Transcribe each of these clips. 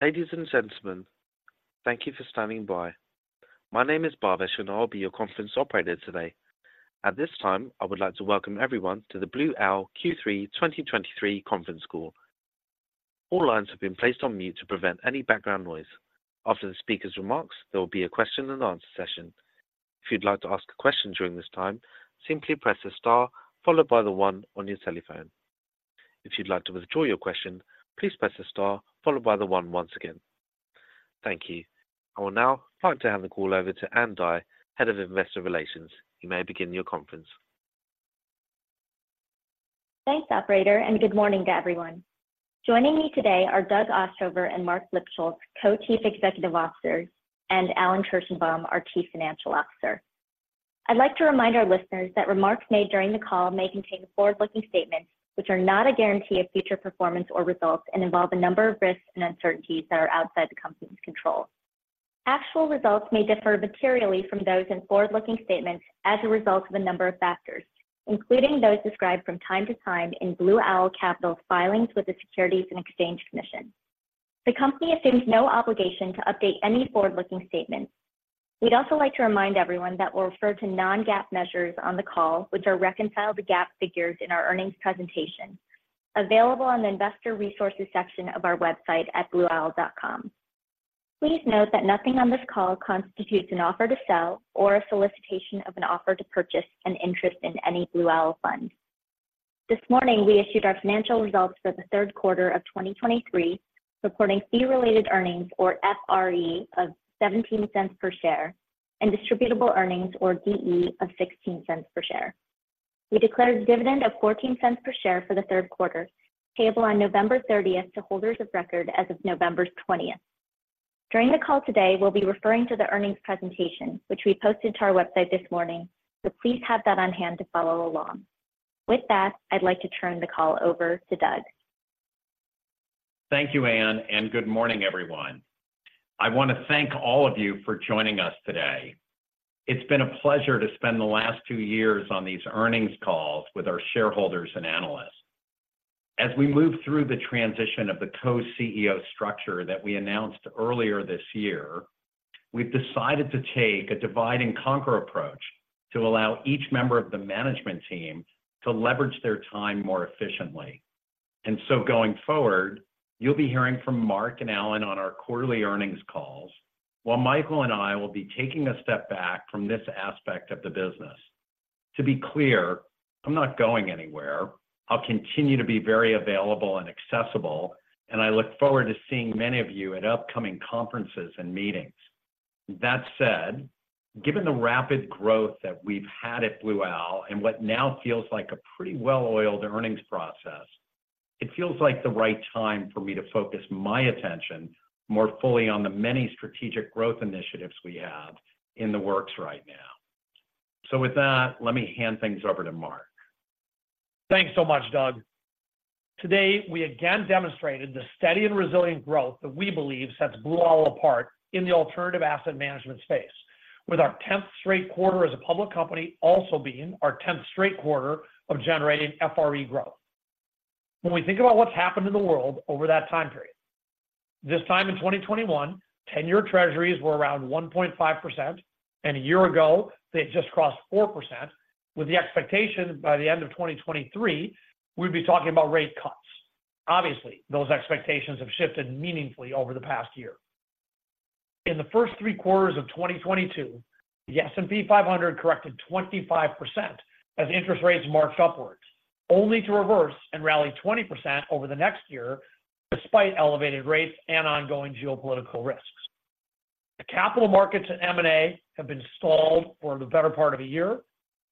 Ladies and gentlemen, thank you for standing by. My name is Bhavesh, and I'll be your conference operator today. At this time, I would like to welcome everyone to the Blue Owl Q3 2023 conference call. All lines have been placed on mute to prevent any background noise. After the speaker's remarks, there will be a question and answer session. If you'd like to ask a question during this time, simply press the star followed by the one on your telephone. If you'd like to withdraw your question, please press the star followed by the one once again. Thank you. I will now like to hand the call over to Ann Dai, Head of Investor Relations. You may begin your conference. Thanks, operator, and good morning to everyone. Joining me today are Doug Ostrover and Marc Lipschultz, Co-Chief Executive Officers, and Alan Kirshenbaum, our Chief Financial Officer. I'd like to remind our listeners that remarks made during the call may contain forward-looking statements, which are not a guarantee of future performance or results and involve a number of risks and uncertainties that are outside the company's control. Actual results may differ materially from those in forward-looking statements as a result of a number of factors, including those described from time to time in Blue Owl Capital's filings with the Securities and Exchange Commission. The company assumes no obligation to update any forward-looking statements. We'd also like to remind everyone that we'll refer to non-GAAP measures on the call, which are reconciled to GAAP figures in our earnings presentation, available on the Investor Resources section of our website at blueowl.com. Please note that nothing on this call constitutes an offer to sell or a solicitation of an offer to purchase an interest in any Blue Owl fund. This morning, we issued our financial results for the third quarter of 2023, reporting fee-related earnings, or FRE, of $0.17 per share, and distributable earnings, or DE, of $0.16 per share. We declared a dividend of $0.14 per share for the third quarter, payable on November 30th to holders of record as of November 20th. During the call today, we'll be referring to the earnings presentation, which we posted to our website this morning, so please have that on hand to follow along. With that, I'd like to turn the call over to Doug. Thank you, Ann, and good morning, everyone. I want to thank all of you for joining us today. It's been a pleasure to spend the last two years on these earnings calls with our shareholders and analysts. As we move through the transition of the co-CEO structure that we announced earlier this year, we've decided to take a divide-and-conquer approach to allow each member of the management team to leverage their time more efficiently. And so going forward, you'll be hearing from Marc and Alan on our quarterly earnings calls, while Michael and I will be taking a step back from this aspect of the business. To be clear, I'm not going anywhere. I'll continue to be very available and accessible, and I look forward to seeing many of you at upcoming conferences and meetings. That said, given the rapid growth that we've had at Blue Owl and what now feels like a pretty well-oiled earnings process, it feels like the right time for me to focus my attention more fully on the many strategic growth initiatives we have in the works right now. So with that, let me hand things over to Marc. Thanks so much, Doug. Today, we again demonstrated the steady and resilient growth that we believe sets Blue Owl apart in the alternative asset management space, with our tenth straight quarter as a public company also being our tenth straight quarter of generating FRE growth. When we think about what's happened in the world over that time period, this time in 2021, 10-year Treasuries were around 1.5%, and a year ago, they had just crossed 4%, with the expectation by the end of 2023, we'd be talking about rate cuts. Obviously, those expectations have shifted meaningfully over the past year. In the first three quarters of 2022, the S&P 500 corrected 25% as interest rates marched upwards, only to reverse and rally 20% over the next year, despite elevated rates and ongoing geopolitical risks. The capital markets and M&A have been stalled for the better part of a year,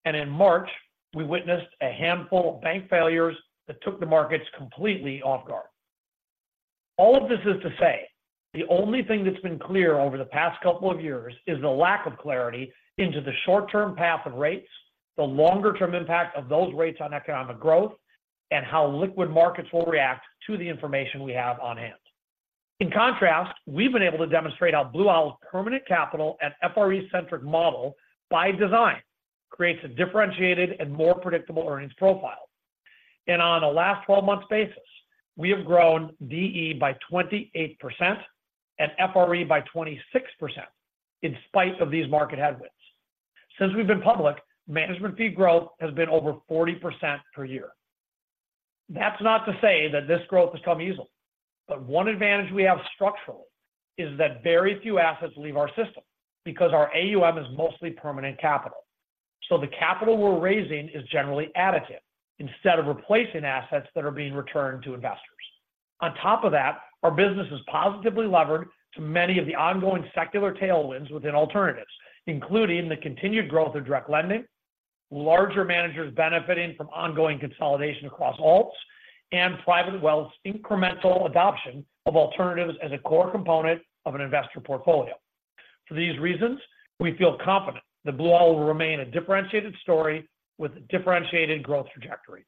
and in March, we witnessed a handful of bank failures that took the markets completely off guard. All of this is to say, the only thing that's been clear over the past couple of years is the lack of clarity into the short-term path of rates, the longer-term impact of those rates on economic growth, and how liquid markets will react to the information we have on hand. In contrast, we've been able to demonstrate how Blue Owl's permanent capital and FRE-centric model, by design, creates a differentiated and more predictable earnings profile. On a last 12-month basis, we have grown DE by 28% and FRE by 26% in spite of these market headwinds. Since we've been public, management fee growth has been over 40% per year. That's not to say that this growth has come easily, but one advantage we have structurally is that very few assets leave our system because our AUM is mostly permanent capital. So the capital we're raising is generally additive instead of replacing assets that are being returned to investors. On top of that, our business is positively levered to many of the ongoing secular tailwinds within alternatives, including the continued growth of direct lending, larger managers benefiting from ongoing consolidation across alts, and private wealth's incremental adoption of alternatives as a core component of an investor portfolio. For these reasons, we feel confident that Blue Owl will remain a differentiated story with a differentiated growth trajectory.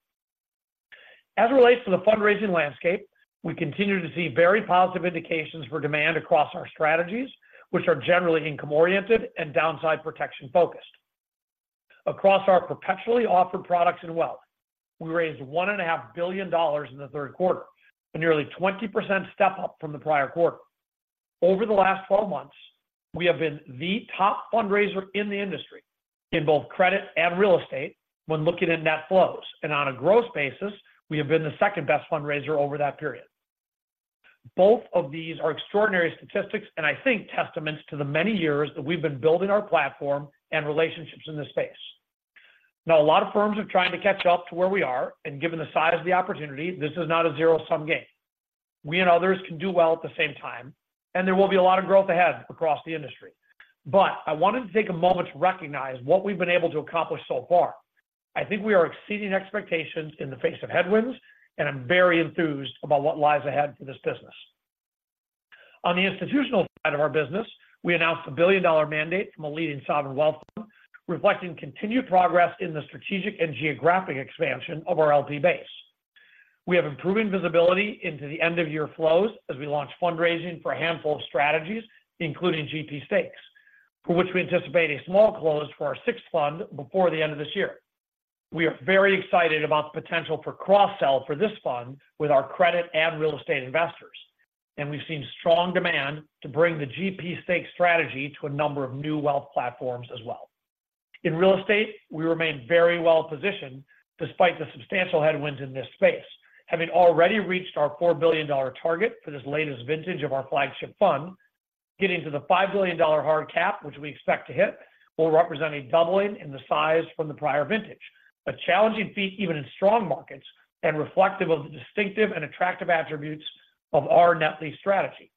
As it relates to the fundraising landscape, we continue to see very positive indications for demand across our strategies, which are generally income-oriented and downside protection-focused.... Across our perpetually offered products and wealth, we raised $1.5 billion in the third quarter, a nearly 20% step-up from the prior quarter. Over the last 12 months, we have been the top fundraiser in the industry in both credit and real estate when looking at net flows, and on a growth basis, we have been the second-best fundraiser over that period. Both of these are extraordinary statistics, and I think testaments to the many years that we've been building our platform and relationships in this space. Now, a lot of firms are trying to catch up to where we are, and given the size of the opportunity, this is not a zero-sum game. We and others can do well at the same time, and there will be a lot of growth ahead across the industry. I wanted to take a moment to recognize what we've been able to accomplish so far. I think we are exceeding expectations in the face of headwinds, and I'm very enthused about what lies ahead for this business. On the institutional side of our business, we announced a billion-dollar mandate from a leading sovereign wealth fund, reflecting continued progress in the strategic and geographic expansion of our LP base. We have improving visibility into the end-of-year flows as we launch fundraising for a handful of strategies, including GP stakes, for which we anticipate a small close for our sixth fund before the end of this year. We are very excited about the potential for cross-sell for this fund with our credit and real estate investors, and we've seen strong demand to bring the GP stake strategy to a number of new wealth platforms as well. In real estate, we remain very well positioned despite the substantial headwinds in this space. Having already reached our $4 billion target for this latest vintage of our flagship fund, getting to the $5 billion hard cap, which we expect to hit, will represent a doubling in the size from the prior vintage. A challenging feat, even in strong markets, and reflective of the distinctive and attractive attributes of our net lease strategy.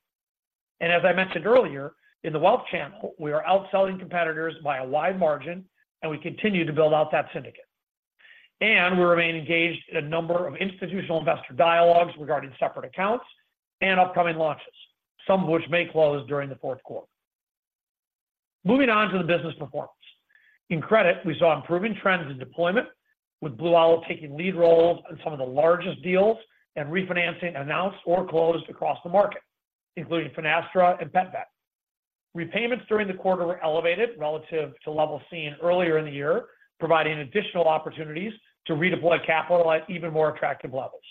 As I mentioned earlier, in the wealth channel, we are outselling competitors by a wide margin, and we continue to build out that syndicate. We remain engaged in a number of institutional investor dialogues regarding separate accounts and upcoming launches, some of which may close during the fourth quarter. Moving on to the business performance. In credit, we saw improving trends in deployment, with Blue Owl taking lead roles on some of the largest deals and refinancing announced or closed across the market, including Finastra and Bed Bath. Repayments during the quarter were elevated relative to levels seen earlier in the year, providing additional opportunities to redeploy capital at even more attractive levels.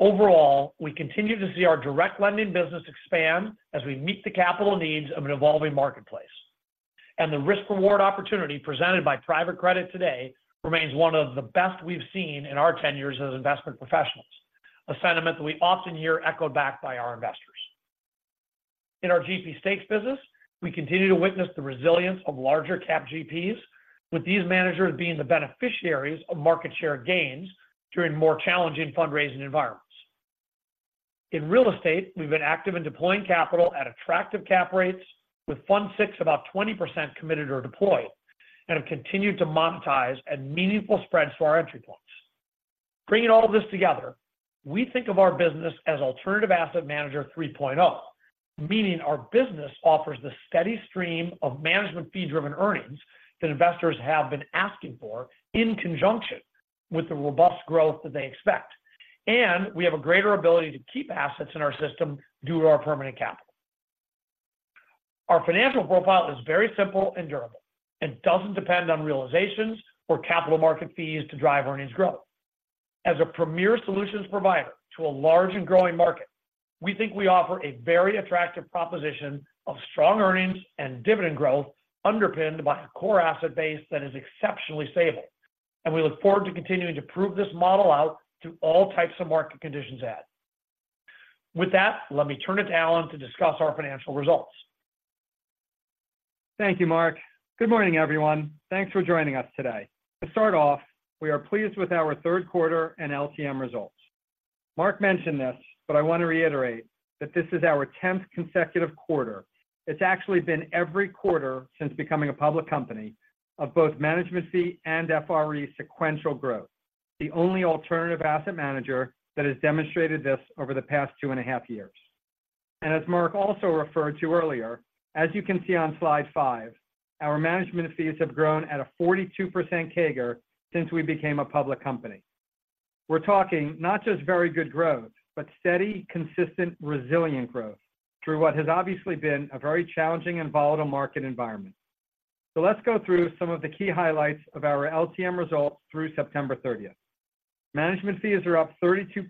Overall, we continue to see our direct lending business expand as we meet the capital needs of an evolving marketplace. And the risk-reward opportunity presented by private credit today remains one of the best we've seen in our tenures as investment professionals, a sentiment that we often hear echoed back by our investors. In our GP stakes business, we continue to witness the resilience of larger cap GPs, with these managers being the beneficiaries of market share gains during more challenging fundraising environments. In real estate, we've been active in deploying capital at attractive cap rates, with Fund Six about 20% committed or deployed, and have continued to monetize at meaningful spreads to our entry points. Bringing all of this together, we think of our business as Alternative Asset Manager 3.0, meaning our business offers the steady stream of management fee-driven earnings that investors have been asking for in conjunction with the robust growth that they expect. We have a greater ability to keep assets in our system due to our permanent capital. Our financial profile is very simple and durable, and doesn't depend on realizations or capital market fees to drive earnings growth. As a premier solutions provider to a large and growing market, we think we offer a very attractive proposition of strong earnings and dividend growth, underpinned by a core asset base that is exceptionally stable. We look forward to continuing to prove this model out to all types of market conditions. With that, let me turn it to Alan to discuss our financial results. Thank you, Marc. Good morning, everyone. Thanks for joining us today. To start off, we are pleased with our third quarter and LTM results. Marc mentioned this, but I want to reiterate that this is our tenth consecutive quarter. It's actually been every quarter since becoming a public company of both management fee and FRE sequential growth, the only alternative asset manager that has demonstrated this over the past two and a half years. And as Marc also referred to earlier, as you can see on slide five, our management fees have grown at a 42% CAGR since we became a public company. We're talking not just very good growth, but steady, consistent, resilient growth through what has obviously been a very challenging and volatile market environment. So let's go through some of the key highlights of our LTM results through September 30th. Management fees are up 32%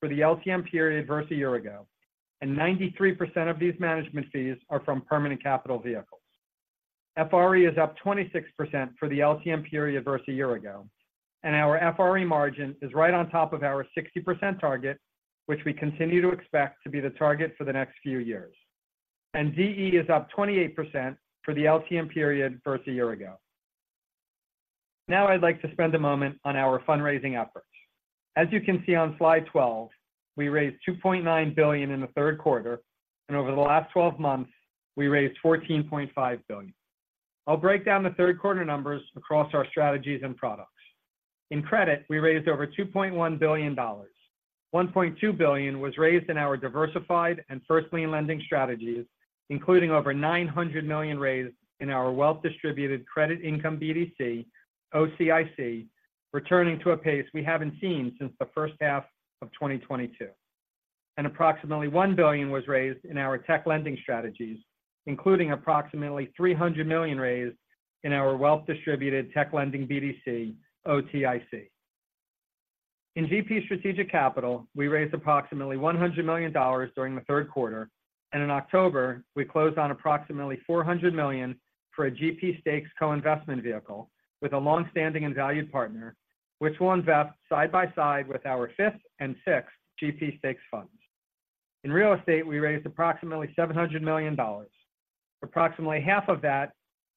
for the LTM period versus a year ago, and 93% of these management fees are from permanent capital vehicles. FRE is up 26% for the LTM period versus a year ago, and our FRE margin is right on top of our 60% target, which we continue to expect to be the target for the next few years. DE is up 28% for the LTM period versus a year ago. Now, I'd like to spend a moment on our fundraising efforts. As you can see on slide 12, we raised $2.9 billion in the third quarter, and over the last twelve months, we raised $14.5 billion. I'll break down the third quarter numbers across our strategies and products. In credit, we raised over $2.1 billion. $1.2 billion was raised in our diversified and first lien lending strategies, including over $900 million raised in our wealth-distributed credit income BDC, OCIC, returning to a pace we haven't seen since the first half of 2022. Approximately $1 billion was raised in our tech lending strategies, including approximately $300 million raised in our wealth-distributed tech lending BDC, OTIC. In GP Strategic Capital, we raised approximately $100 million during the third quarter, and in October, we closed on approximately $400 million for a GP stakes co-investment vehicle with a long-standing and valued partner, which will invest side by side with our fifth and sixth GP stakes funds. In real estate, we raised approximately $700 million, approximately half of that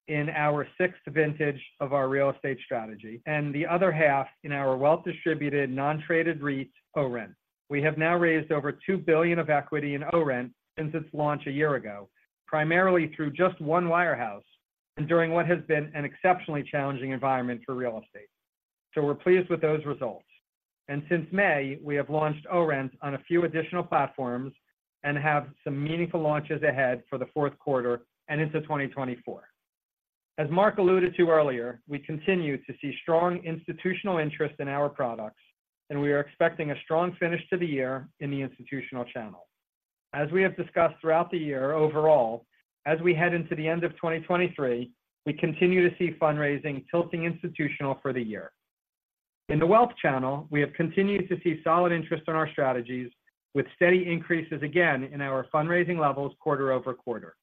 in our sixth vintage of our real estate strategy, and the other half in our wealth-distributed, non-traded REIT, ORENT. We have now raised over $2 billion of equity in ORENT since its launch a year ago, primarily through just one wirehouse, and during what has been an exceptionally challenging environment for real estate. So we're pleased with those results. And since May, we have launched ORENT on a few additional platforms and have some meaningful launches ahead for the fourth quarter and into 2024. As Marc alluded to earlier, we continue to see strong institutional interest in our products, and we are expecting a strong finish to the year in the institutional channel. As we have discussed throughout the year, overall, as we head into the end of 2023, we continue to see fundraising tilting institutional for the year. In the wealth channel, we have continued to see solid interest in our strategies, with steady increases again in our fundraising levels quarter-over-quarter.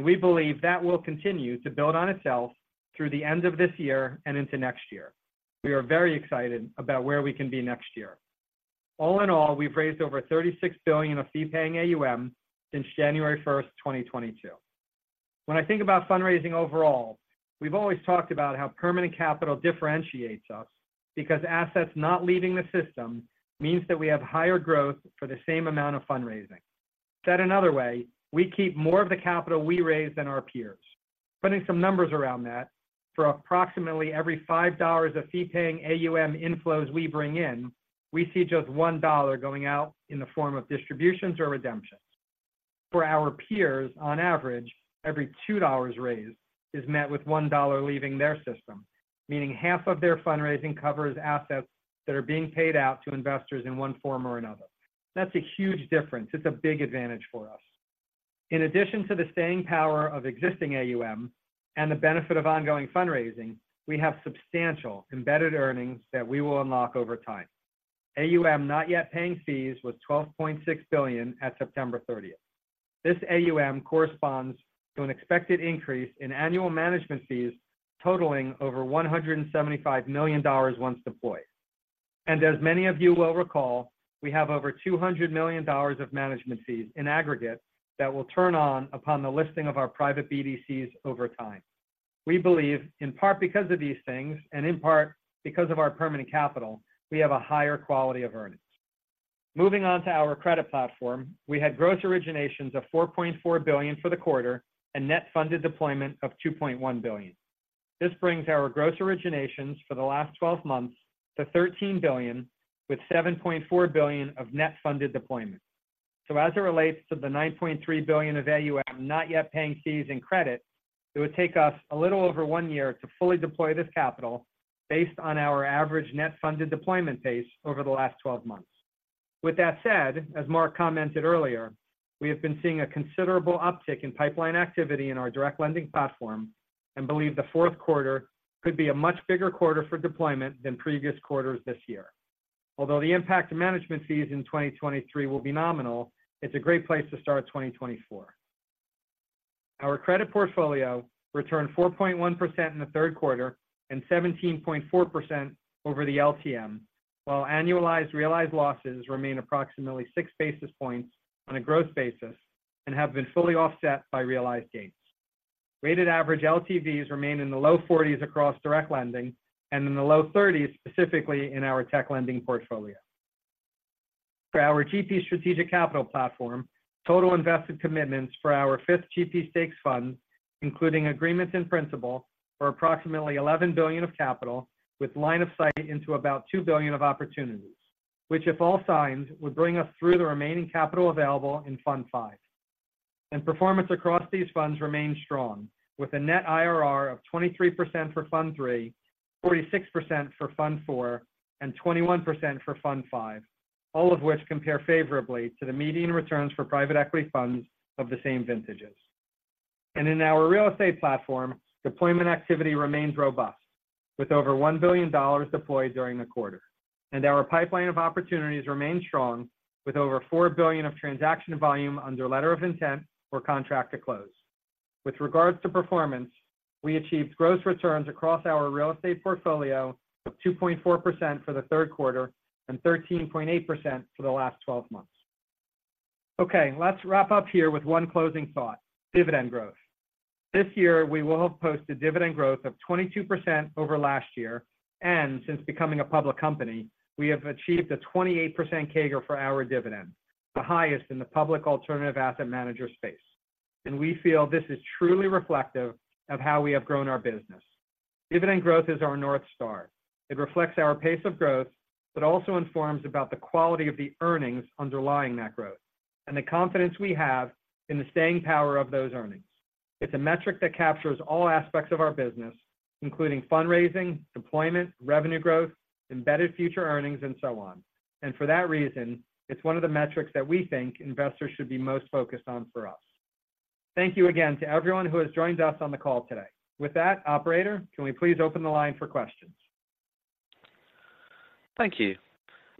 We believe that will continue to build on itself through the end of this year and into next year. We are very excited about where we can be next year. All in all, we've raised over $36 billion of fee-paying AUM since January 1st, 2022. When I think about fundraising overall, we've always talked about how permanent capital differentiates us because assets not leaving the system means that we have higher growth for the same amount of fundraising. Said another way, we keep more of the capital we raise than our peers. Putting some numbers around that, for approximately every $5 of fee-paying AUM inflows we bring in, we see just $1 going out in the form of distributions or redemptions. For our peers, on average, every two dollars raised is met with one dollar leaving their system, meaning half of their fundraising covers assets that are being paid out to investors in one form or another. That's a huge difference. It's a big advantage for us. In addition to the staying power of existing AUM and the benefit of ongoing fundraising, we have substantial embedded earnings that we will unlock over time. AUM, not yet paying fees, was $12.6 billion at September 30th. This AUM corresponds to an expected increase in annual management fees, totaling over $175 million once deployed. And as many of you will recall, we have over $200 million of management fees in aggregate that will turn on upon the listing of our private BDCs over time. We believe, in part, because of these things, and in part because of our permanent capital, we have a higher quality of earnings. Moving on to our credit platform, we had gross originations of $4.4 billion for the quarter and net funded deployment of $2.1 billion. This brings our gross originations for the last twelve months to $13 billion, with $7.4 billion of net funded deployment. So as it relates to the $9.3 billion of AUM, not yet paying fees and credit, it would take us a little over one year to fully deploy this capital based on our average net funded deployment pace over the last twelve months. With that said, as Marc commented earlier, we have been seeing a considerable uptick in pipeline activity in our direct lending platform and believe the fourth quarter could be a much bigger quarter for deployment than previous quarters this year. Although the impact of management fees in 2023 will be nominal, it's a great place to start 2024. Our credit portfolio returned 4.1% in the third quarter and 17.4% over the LTM, while annualized realized losses remain approximately 6 basis points on a growth basis and have been fully offset by realized gains. Weighted average LTVs remain in the low 40s across direct lending and in the low 30s, specifically in our tech lending portfolio. For our GP Strategic Capital platform, total invested commitments for our fifth GP Stakes Fund, including agreements in principle, are approximately $11 billion of capital, with line of sight into about $2 billion of opportunities, which, if all signed, would bring us through the remaining capital available in Fund Five. Performance across these funds remains strong, with a net IRR of 23% for Fund Three, 46% for Fund Four, and 21% for Fund Five, all of which compare favorably to the median returns for private equity funds of the same vintages. In our real estate platform, deployment activity remains robust, with over $1 billion deployed during the quarter. Our pipeline of opportunities remains strong, with over $4 billion of transaction volume under letter of intent or contract to close. With regards to performance, we achieved gross returns across our real estate portfolio of 2.4% for the third quarter and 13.8% for the last twelve months. Okay, let's wrap up here with one closing thought, dividend growth. This year, we will have posted dividend growth of 22% over last year, and since becoming a public company, we have achieved a 28% CAGR for our dividend, the highest in the public alternative asset manager space. And we feel this is truly reflective of how we have grown our business. Dividend growth is our North Star. It reflects our pace of growth, but also informs about the quality of the earnings underlying that growth.... and the confidence we have in the staying power of those earnings. It's a metric that captures all aspects of our business, including fundraising, deployment, revenue growth, embedded future earnings, and so on. For that reason, it's one of the metrics that we think investors should be most focused on for us. Thank you again to everyone who has joined us on the call today. With that, operator, can we please open the line for questions? Thank you.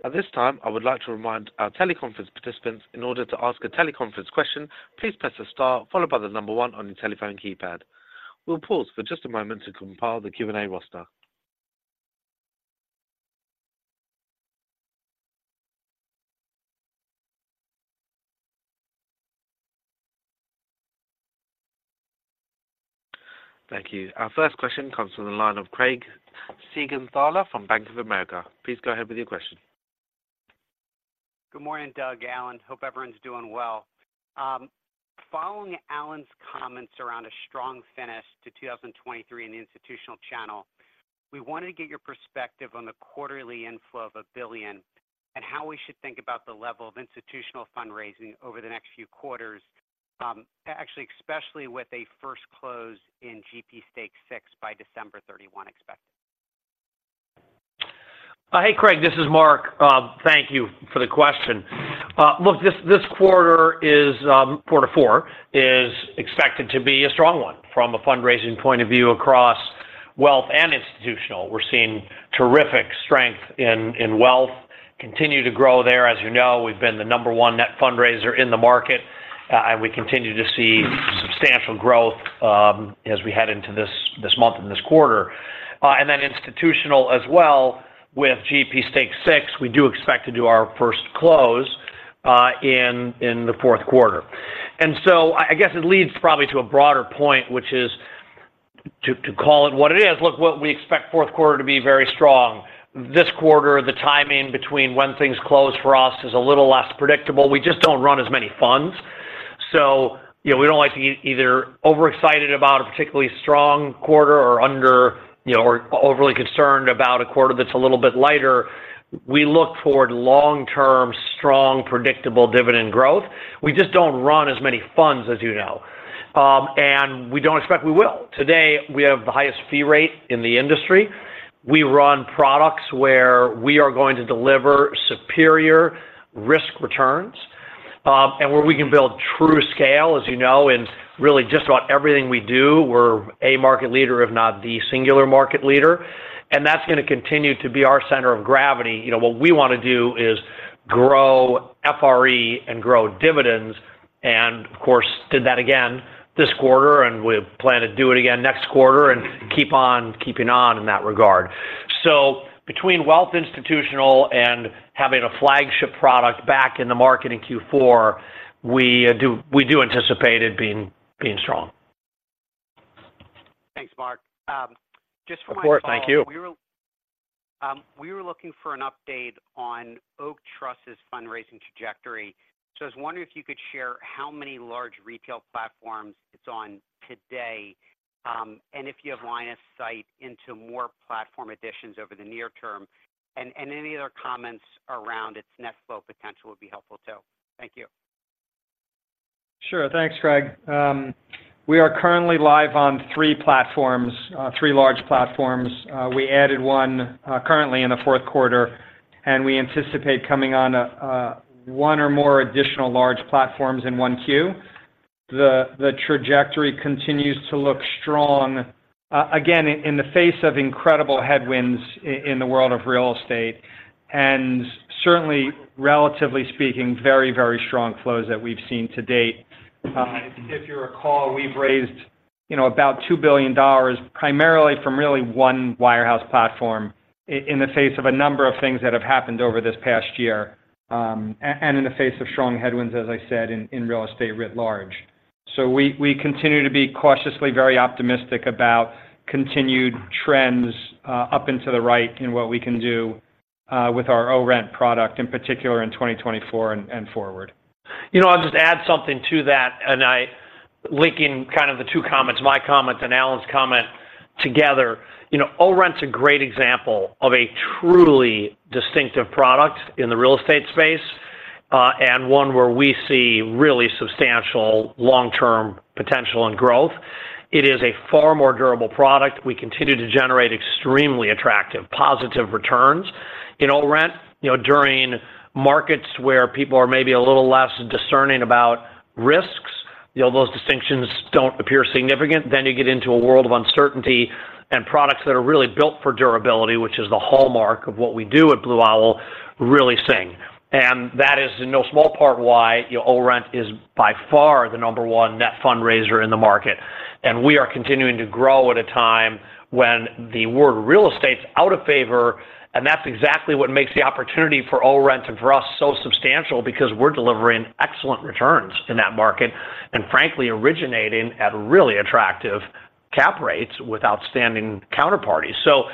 At this time, I would like to remind our teleconference participants, in order to ask a teleconference question, please press the star followed by the number one on your telephone keypad. We'll pause for just a moment to compile the Q&A roster. Thank you. Our first question comes from the line of Craig Siegenthaler from Bank of America. Please go ahead with your question. Good morning, Doug, Alan. Hope everyone's doing well. Following Alan's comments around a strong finish to 2023 in the institutional channel, we wanted to get your perspective on the quarterly inflow of $1 billion, and how we should think about the level of institutional fundraising over the next few quarters, actually, especially with a first close in GP Stakes Six by December 31 expected. Hey, Craig, this is Marc. Thank you for the question. Look, this quarter is quarter four, is expected to be a strong one from a fundraising point of view across wealth and institutional. We're seeing terrific strength in wealth, continue to grow there. As you know, we've been the number one net fundraiser in the market, and we continue to see substantial growth, as we head into this month and this quarter. And then institutional as well, with GP Stakes Six, we do expect to do our first close, in the fourth quarter. And so I guess it leads probably to a broader point, which is to call it what it is. Look, what we expect fourth quarter to be very strong. This quarter, the timing between when things close for us is a little less predictable. We just don't run as many funds. So, you know, we don't like to get either overexcited about a particularly strong quarter or under, you know, or overly concerned about a quarter that's a little bit lighter. We look toward long-term, strong, predictable dividend growth. We just don't run as many funds, as you know, and we don't expect we will. Today, we have the highest fee rate in the industry. We run products where we are going to deliver superior risk returns, and where we can build true scale, as you know, and really just about everything we do, we're a market leader, if not the singular market leader. And that's gonna continue to be our center of gravity. You know, what we wanna do is grow FRE and grow dividends, and of course, did that again this quarter, and we plan to do it again next quarter and keep on keeping on in that regard. So between wealth, institutional, and having a flagship product back in the market in Q4, we do, we do anticipate it being, being strong. Thanks, Marc. Just for my- Of course. Thank you. We were looking for an update on Oak Street's fundraising trajectory. So I was wondering if you could share how many large retail platforms it's on today, and if you have line of sight into more platform additions over the near term, and any other comments around its net flow potential would be helpful, too. Thank you. Sure. Thanks, Craig. We are currently live on three platforms, three large platforms. We added one, currently in the fourth quarter, and we anticipate coming on one or more additional large platforms in 1Q. The trajectory continues to look strong, again, in the face of incredible headwinds in the world of real estate, and certainly, relatively speaking, very, very strong flows that we've seen to date. If you recall, we've raised, you know, about $2 billion, primarily from really one wirehouse platform, in the face of a number of things that have happened over this past year, and in the face of strong headwinds, as I said, in real estate writ large. So we continue to be cautiously very optimistic about continued trends up into the right in what we can do with our ORENT product, in particular in 2024 and forward. You know, I'll just add something to that, and I, linking kind of the two comments, my comments and Alan's comment together. You know, ORENT's a great example of a truly distinctive product in the real estate space, and one where we see really substantial long-term potential and growth. It is a far more durable product. We continue to generate extremely attractive, positive returns in ORENT. You know, during markets where people are maybe a little less discerning about risks, you know, those distinctions don't appear significant. Then you get into a world of uncertainty and products that are really built for durability, which is the hallmark of what we do at Blue Owl, really sing. And that is in no small part why ORENT is by far the number one net fundraiser in the market. And we are continuing to grow at a time when the world of real estate is out of favor, and that's exactly what makes the opportunity for ORENT and for us so substantial, because we're delivering excellent returns in that market, and frankly, originating at really attractive cap rates with outstanding counterparties. So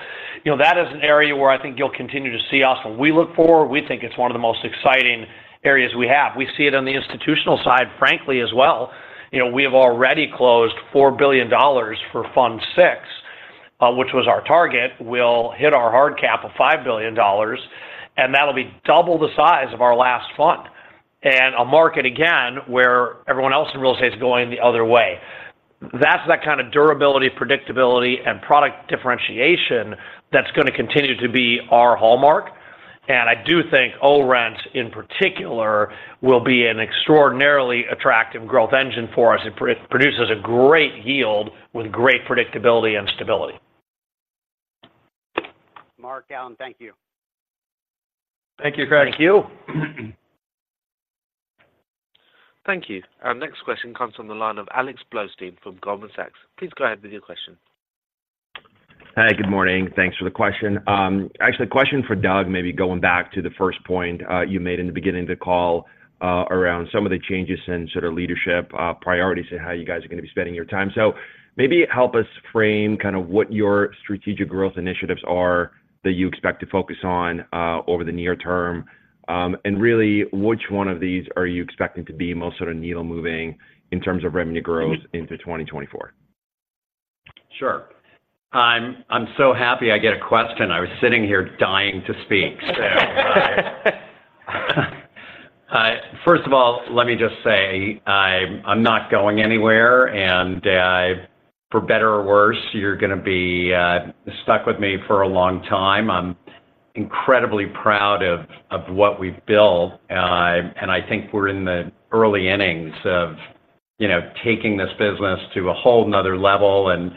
you know, that is an area where I think you'll continue to see us, and we look for. We think it's one of the most exciting areas we have. We see it on the institutional side, frankly, as well. You know, we have already closed $4 billion for Fund Six, which was our target, we'll hit our hard cap of $5 billion, and that'll be double the size of our last fund. And a market, again, where everyone else in real estate is going the other way. That's that kind of durability, predictability, and product differentiation that's gonna continue to be our hallmark. And I do think ORENT, in particular, will be an extraordinarily attractive growth engine for us. It produces a great yield with great predictability and stability. Marc, Alan, thank you. Thank you, Craig. Thank you. Thank you. Our next question comes from the line of Alexander Blostein from Goldman Sachs. Please go ahead with your question. Hi, good morning. Thanks for the question. Actually, a question for Doug, maybe going back to the first point, you made in the beginning of the call, around some of the changes in sort of leadership, priorities, and how you guys are gonna be spending your time. So maybe help us frame kind of what your strategic growth initiatives are that you expect to focus on, over the near term. And really, which one of these are you expecting to be most sort of needle-moving in terms of revenue growth into 2024? Sure. I'm so happy I get a question. I was sitting here dying to speak. So, first of all, let me just say, I'm not going anywhere, and, for better or worse, you're gonna be stuck with me for a long time. I'm incredibly proud of what we've built, and I think we're in the early innings of, you know, taking this business to a whole another level. And,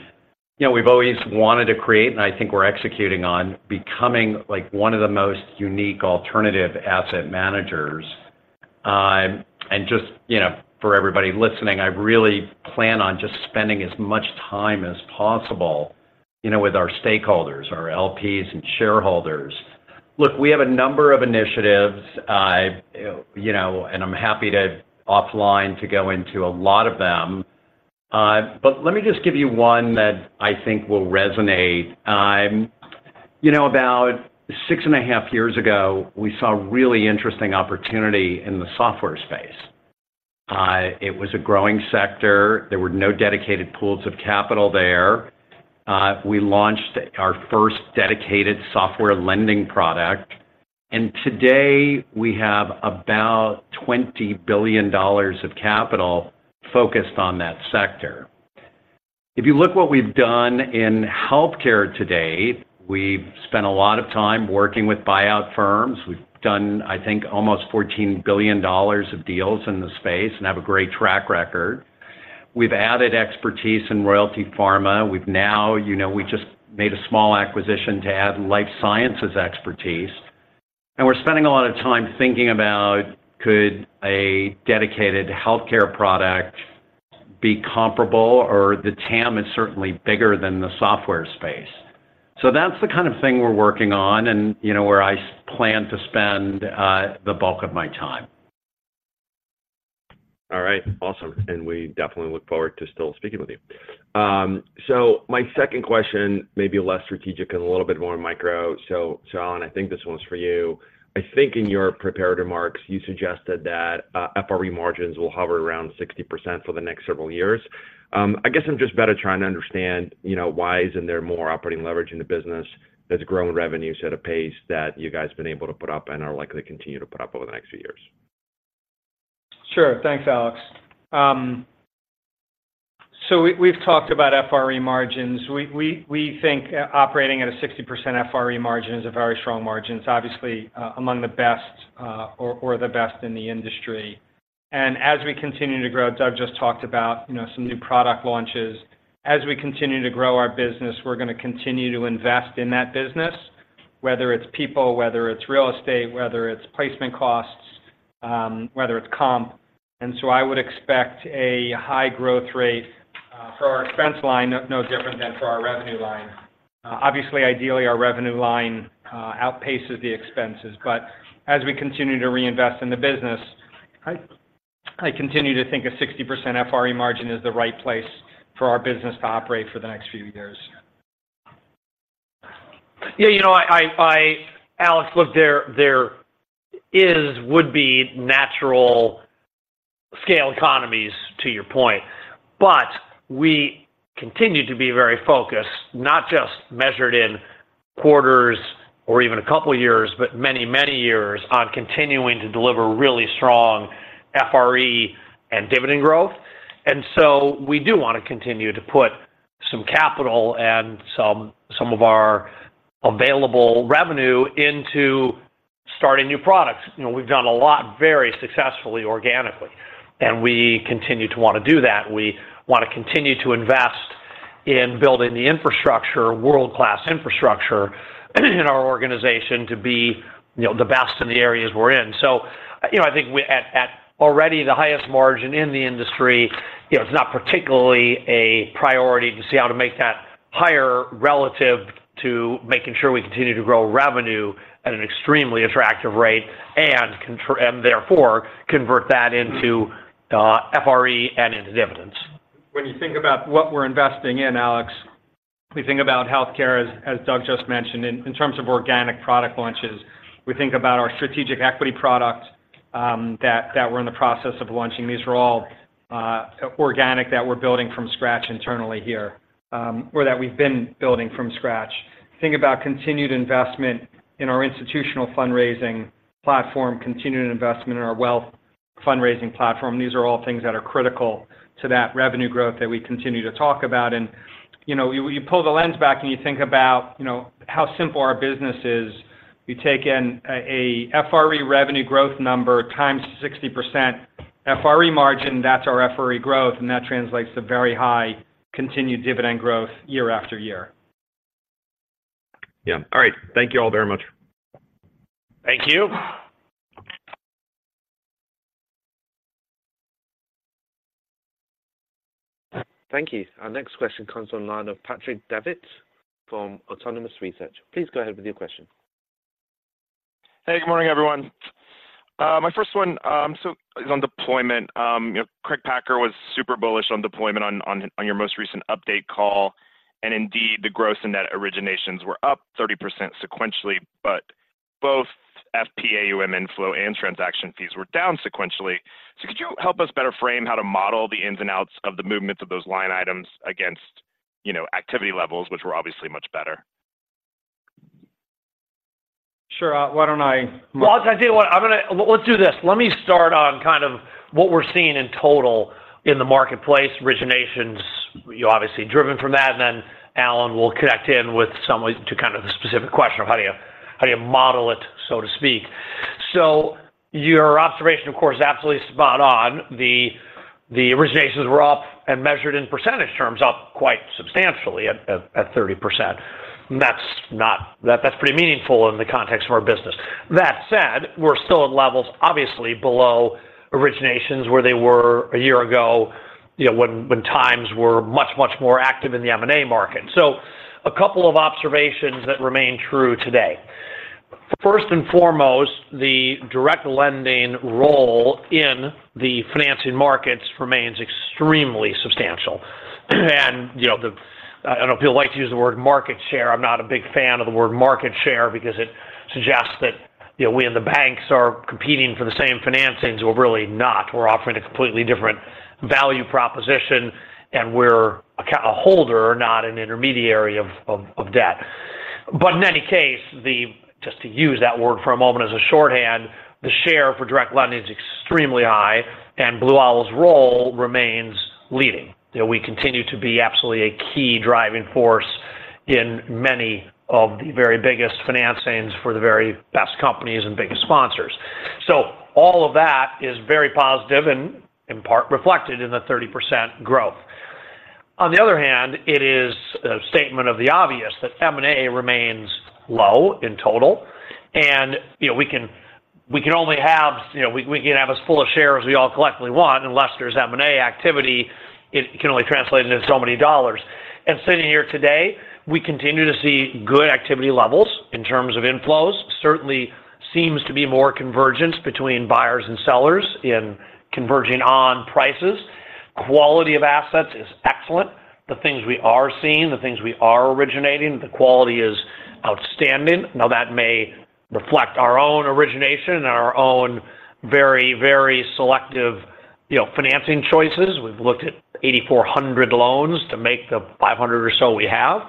you know, we've always wanted to create, and I think we're executing on becoming, like, one of the most unique alternative asset managers. And just, you know, for everybody listening, I really plan on just spending as much time as possible, you know, with our stakeholders, our LPs and shareholders. Look, we have a number of initiatives, you know, and I'm happy to offline to go into a lot of them. But let me just give you one that I think will resonate. You know, about six and a half years ago, we saw a really interesting opportunity in the software space. It was a growing sector. There were no dedicated pools of capital there. We launched our first dedicated software lending product, and today, we have about $20 billion of capital focused on that sector. If you look what we've done in healthcare today, we've spent a lot of time working with buyout firms. We've done, I think, almost $14 billion of deals in the space and have a great track record. We've added expertise in Royalty Pharma. We've now, you know, we just made a small acquisition to add life sciences expertise. We're spending a lot of time thinking about, could a dedicated healthcare product be comparable, or the TAM is certainly bigger than the software space? So that's the kind of thing we're working on, and you know, where I plan to spend the bulk of my time. All right, awesome. And we definitely look forward to still speaking with you. So my second question, maybe less strategic and a little bit more micro. So, Alan, I think this one's for you. I think in your prepared remarks, you suggested that FRE margins will hover around 60% for the next several years. I guess I'm just better trying to understand, you know, why isn't there more operating leverage in the business that's growing revenue at a pace that you guys have been able to put up and are likely to continue to put up over the next few years? Sure. Thanks, Alex. So we've talked about FRE margins. We think operating at a 60% FRE margin is a very strong margin. It's obviously among the best, or the best in the industry. And as we continue to grow, Doug just talked about, you know, some new product launches. As we continue to grow our business, we're gonna continue to invest in that business, whether it's people, whether it's real estate, whether it's placement costs, whether it's comp. And so I would expect a high growth rate for our expense line, no different than for our revenue line. Obviously, ideally, our revenue line outpaces the expenses, but as we continue to reinvest in the business, I continue to think a 60% FRE margin is the right place for our business to operate for the next few years. Yeah, you know, I... Alex, look, there is would be natural scale economies to your point. But we continue to be very focused, not just measured in quarters or even a couple of years, but many, many years on continuing to deliver really strong FRE and dividend growth. And so we do wanna continue to put some capital and some of our available revenue into starting new products. You know, we've done a lot very successfully, organically, and we continue to want to do that. We wanna continue to invest in building the infrastructure, world-class infrastructure, in our organization to be, you know, the best in the areas we're in. So, you know, I think we're at already the highest margin in the industry, you know, it's not particularly a priority to see how to make that higher, relative to making sure we continue to grow revenue at an extremely attractive rate, and control and therefore convert that into FRE and into dividends. When you think about what we're investing in, Alex, we think about healthcare as Doug just mentioned, in terms of organic product launches. We think about our strategic equity product that we're in the process of launching. These are all organic that we're building from scratch internally here, or that we've been building from scratch. Think about continued investment in our institutional fundraising platform, continued investment in our wealth fundraising platform. These are all things that are critical to that revenue growth that we continue to talk about. And, you know, you pull the lens back and you think about, you know, how simple our business is. You take in a FRE revenue growth number times 60% FRE margin, that's our FRE growth, and that translates to very high continued dividend growth year after year. Yeah. All right. Thank you all very much. Thank you. Thank you. Our next question comes on the line of Patrick Davitt from Autonomous Research. Please go ahead with your question. Hey, good morning, everyone. My first one, so is on deployment. You know, Craig Packer was super bullish on deployment on your most recent update call, and indeed, the gross and net originations were up 30% sequentially, but both FPAUM inflow and transaction fees were down sequentially. So could you help us better frame how to model the ins and outs of the movements of those line items against, you know, activity levels, which were obviously much better? Sure. Why don't I- Well, I tell you what, let's do this. Let me start on kind of what we're seeing in total in the marketplace originations, you obviously driven from that, and then Alan will connect in with some ways to kind of the specific question of how do you, how do you model it, so to speak. So your observation, of course, is absolutely spot on. The originations were up and measured in percentage terms, up quite substantially at 30%. And that's pretty meaningful in the context of our business. That said, we're still at levels, obviously below originations where they were a year ago, you know, when times were much, much more active in the M&A market. So a couple of observations that remain true today. First and foremost, the direct lending role in the financing markets remains extremely substantial. You know, the I know people like to use the word market share. I'm not a big fan of the word market share because it suggests that, you know, we and the banks are competing for the same financings. We're really not. We're offering a completely different value proposition, and we're a holder, not an intermediary of debt. But in any case, the just to use that word for a moment as a shorthand, the share for direct lending is extremely high, and Blue Owl's role remains leading. You know, we continue to be absolutely a key driving force in many of the very biggest financings for the very best companies and biggest sponsors. So all of that is very positive and in part reflected in the 30% growth. On the other hand, it is a statement of the obvious that M&A remains low in total, and, you know, we can, we can only have, you know, we, we can have as full a share as we all collectively want, unless there's M&A activity, it can only translate into so many dollars. And sitting here today, we continue to see good activity levels in terms of inflows. Certainly seems to be more convergence between buyers and sellers in converging on prices. Quality of assets is excellent. The things we are seeing, the things we are originating, the quality is outstanding. Now, that may reflect our own origination and our own very, very selective, you know, financing choices. We've looked at 8,400 loans to make the 500 or so we have.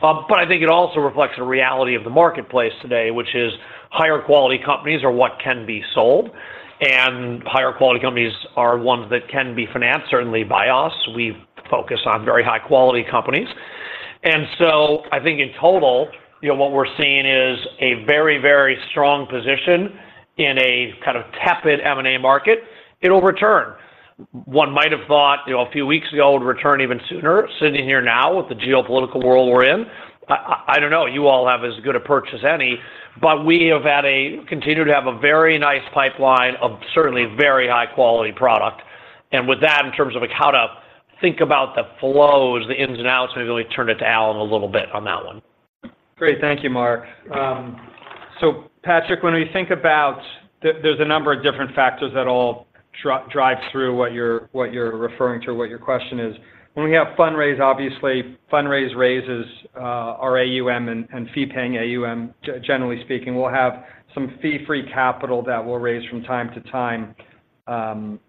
But I think it also reflects the reality of the marketplace today, which is higher quality companies are what can be sold, and higher quality companies are ones that can be financed, certainly by us. We focus on very high-quality companies. And so I think in total, you know, what we're seeing is a very, very strong position in a kind of tepid M&A market. It'll return. One might have thought, you know, a few weeks ago, it would return even sooner. Sitting here now, with the geopolitical world we're in, I don't know, you all have as good a perch as any, but we continue to have a very nice pipeline of certainly very high-quality product. And with that, in terms of like how to think about the flows, the ins and outs, and really turn it to Alan a little bit on that one. Great. Thank you, Marc. So Patrick, when we think about... There's a number of different factors that all drive through what you're, what you're referring to, or what your question is. When we have fundraise, obviously, fundraise raises our AUM and fee-paying AUM. Generally speaking, we'll have some fee-free capital that we'll raise from time to time,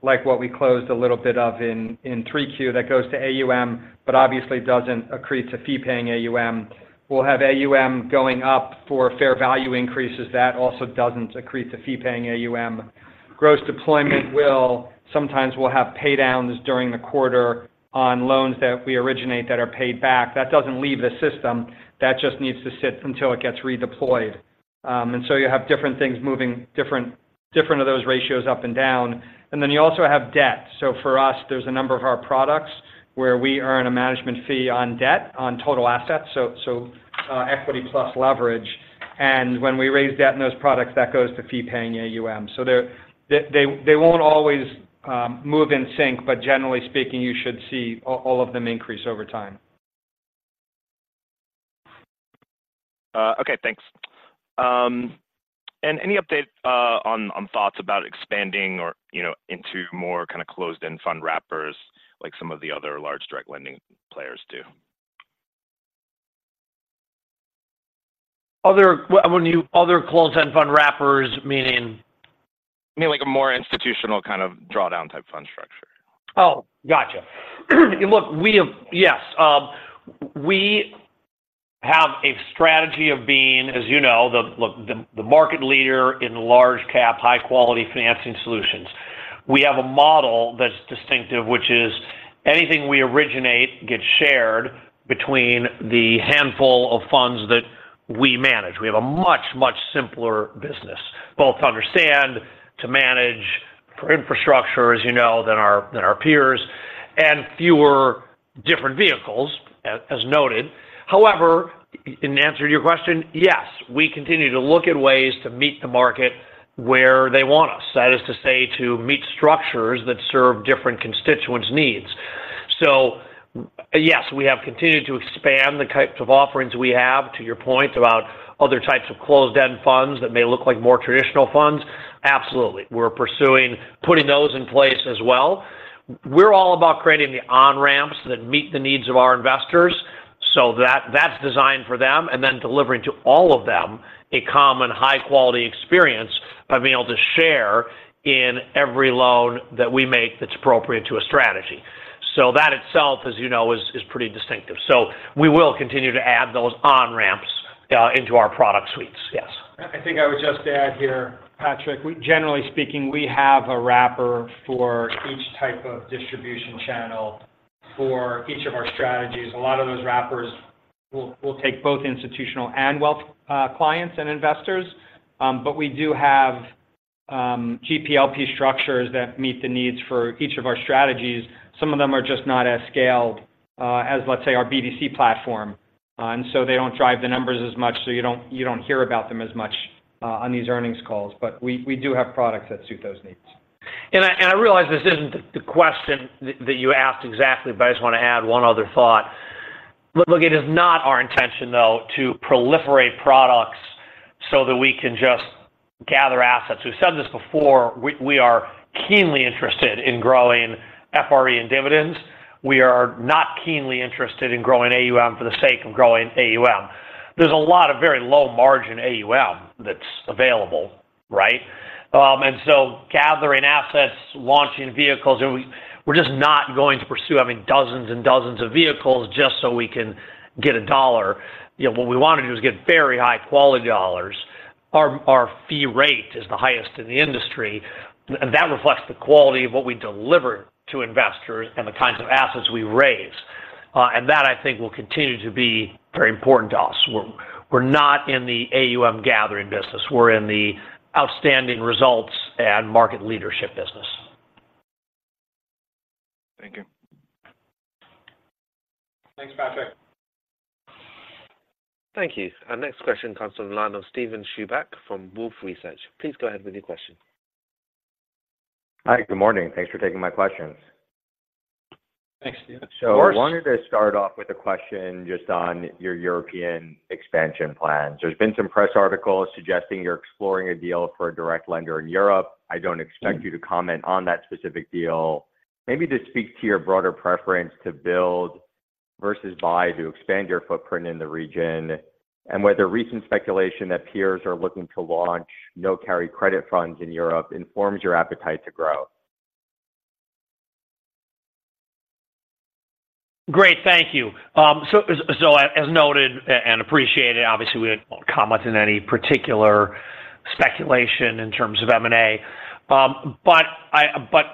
like what we closed a little bit of in Q3 that goes to AUM, but obviously doesn't accrete to fee-paying AUM. We'll have AUM going up for fair value increases. That also doesn't accrete to fee-paying AUM. Gross deployment will - sometimes we'll have paydowns during the quarter on loans that we originate that are paid back. That doesn't leave the system. That just needs to sit until it gets redeployed. And so you have different things moving, different of those ratios up and down. And then you also have debt. So for us, there's a number of our products where we earn a management fee on debt, on total assets, so equity plus leverage. And when we raise debt in those products, that goes to fee-paying AUM. So they won't always move in sync, but generally speaking, you should see all of them increase over time. Okay, thanks. And any update on thoughts about expanding or, you know, into more kind of closed-end fund wrappers, like some of the other large direct lending players do?... other, when you other closed-end fund wrappers, meaning? I mean, like a more institutional kind of drawdown type fund structure. Oh, got you. Look, we have yes, we have a strategy of being, as you know, look, the market leader in large cap, high quality financing solutions. We have a model that's distinctive, which is anything we originate, gets shared between the handful of funds that we manage. We have a much, much simpler business, both to understand, to manage, for infrastructure, as you know, than our peers, and fewer different vehicles, as noted. However, in answer to your question, yes, we continue to look at ways to meet the market where they want us. That is to say, to meet structures that serve different constituents' needs. So yes, we have continued to expand the types of offerings we have, to your point, about other types of closed-end funds that may look like more traditional funds. Absolutely. We're pursuing putting those in place as well. We're all about creating the on-ramps that meet the needs of our investors, so that, that's designed for them, and then delivering to all of them a common high-quality experience by being able to share in every loan that we make that's appropriate to a strategy. So that itself, as you know, is pretty distinctive. So we will continue to add those on-ramps into our product suites. Yes. I think I would just add here, Patrick, we generally speaking, we have a wrapper for each type of distribution channel for each of our strategies. A lot of those wrappers will, will take both institutional and wealth, clients and investors. But we do have, GPLP structures that meet the needs for each of our strategies. Some of them are just not as scaled, as, let's say, our BDC platform. And so they don't drive the numbers as much, so you don't, you don't hear about them as much, on these earnings calls. But we, we do have products that suit those needs. I realize this isn't the question that you asked exactly, but I just wanna add one other thought. Look, it is not our intention, though, to proliferate products so that we can just gather assets. We've said this before, we are keenly interested in growing FRE and dividends. We are not keenly interested in growing AUM for the sake of growing AUM. There's a lot of very low margin AUM that's available, right? And so gathering assets, launching vehicles, we're just not going to pursue having dozens and dozens of vehicles just so we can get a dollar. You know, what we wanna do is get very high-quality dollars. Our fee rate is the highest in the industry, and that reflects the quality of what we deliver to investors and the kinds of assets we raise. And that, I think, will continue to be very important to us. We're not in the AUM gathering business. We're in the outstanding results and market leadership business. Thank you. Thanks, Patrick. Thank you. Our next question comes from the line of Steven Chubak from Wolfe Research. Please go ahead with your question. Hi, good morning. Thanks for taking my questions. Thanks, Steven. Of course. I wanted to start off with a question just on your European expansion plans. There's been some press articles suggesting you're exploring a deal for a direct lender in Europe. I don't expect you to comment on that specific deal. Maybe just speak to your broader preference to build versus buy, to expand your footprint in the region, and whether recent speculation that peers are looking to launch no-carry credit funds in Europe informs your appetite to grow. Great, thank you. So as noted and appreciated, obviously, we won't comment on any particular speculation in terms of M&A. But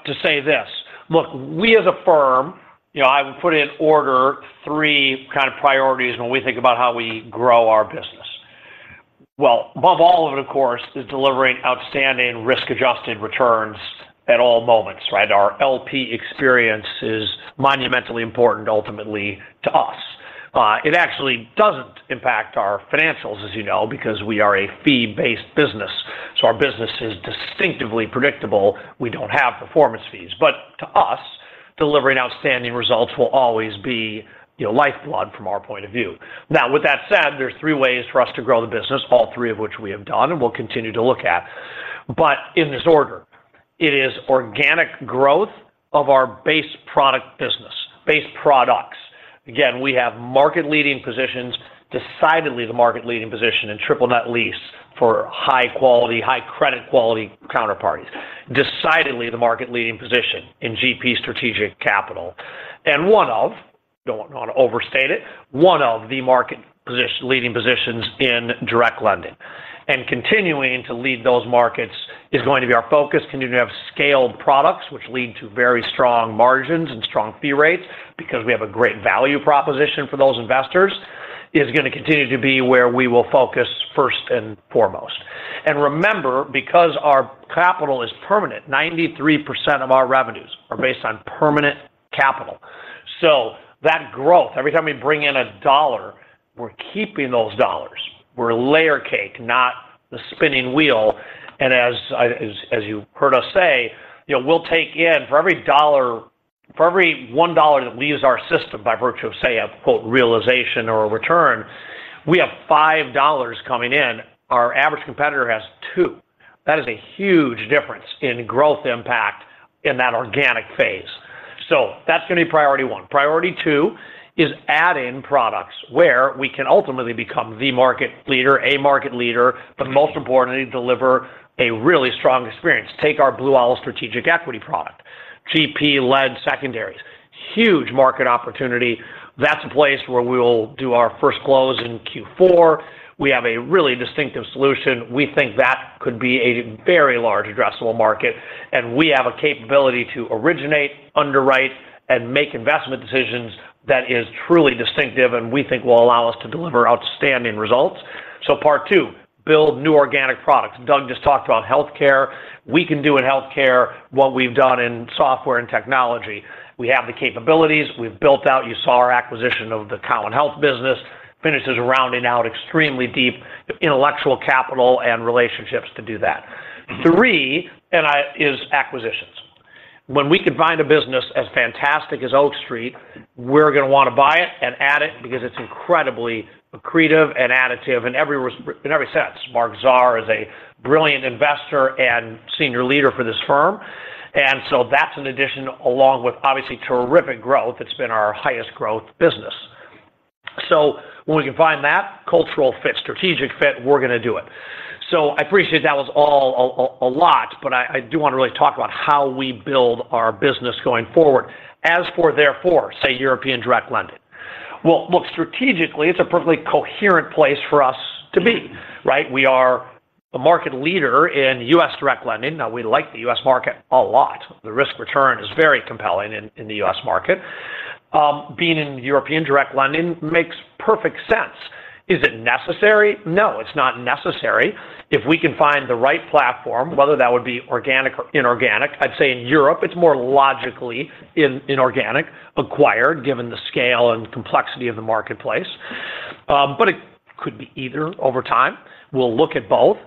to say this, look, we as a firm, you know, I would put in order three kind of priorities when we think about how we grow our business. Well, above all of it, of course, is delivering outstanding risk-adjusted returns at all moments, right? Our LP experience is monumentally important ultimately to us. It actually doesn't impact our financials, as you know, because we are a fee-based business. So our business is distinctively predictable. We don't have performance fees. But to us, delivering outstanding results will always be, you know, lifeblood from our point of view. Now, with that said, there are three ways for us to grow the business, all three of which we have done and will continue to look at. But in this order, it is organic growth of our base product business, base products. Again, we have market-leading positions, decidedly the market-leading position in triple net lease for high quality, high credit quality counterparties. Decidedly, the market-leading position in GP Strategic Capital. And one of, don't wanna overstate it, one of the market-leading positions in direct lending. And continuing to lead those markets is going to be our focus, continuing to have scaled products, which lead to very strong margins and strong fee rates because we have a great value proposition for those investors, is gonna continue to be where we will focus first and foremost. And remember, because our capital is permanent, 93% of our revenues are based on permanent capital. So that growth, every time we bring in a dollar, we're keeping those dollars. We're a layer cake, not the spinning wheel. And as I, you heard us say, you know, we'll take in for every one dollar that leaves our system by virtue of, say, a quote, "realization or a return," we have five dollars coming in. Our average competitor has two. That is a huge difference in growth impact in that organic phase.... So that's gonna be priority one. Priority two is adding products where we can ultimately become the market leader, a market leader, but most importantly, deliver a really strong experience. Take our Blue Owl Strategic Equity product, GP-led secondaries, huge market opportunity. That's a place where we will do our first close in Q4. We have a really distinctive solution. We think that could be a very large addressable market, and we have a capability to originate, underwrite, and make investment decisions that is truly distinctive and we think will allow us to deliver outstanding results. So part two, build new organic products. Doug just talked about healthcare. We can do in healthcare what we've done in software and technology. We have the capabilities, we've built out. You saw our acquisition of the Cowen Healthcare business, finishes rounding out extremely deep intellectual capital and relationships to do that. Three, and I-- is acquisitions. When we can find a business as fantastic as Oak Street, we're gonna wanna buy it and add it because it's incredibly accretive and additive in every respect in every sense. Marc Zahr is a brilliant investor and senior leader for this firm, and so that's an addition, along with obviously terrific growth. It's been our highest growth business. So when we can find that cultural fit, strategic fit, we're gonna do it. So I appreciate that was all a lot, but I do wanna really talk about how we build our business going forward. As for therefore, say, European direct lending. Well, look, strategically, it's a perfectly coherent place for us to be, right? We are the market leader in U.S. direct lending. Now, we like the U.S. market a lot. The risk-return is very compelling in the U.S. market. Being in European direct lending makes perfect sense. Is it necessary? No, it's not necessary. If we can find the right platform, whether that would be organic or inorganic, I'd say in Europe, it's more logically inorganic, acquired, given the scale and complexity of the marketplace. But it could be either over time. We'll look at both.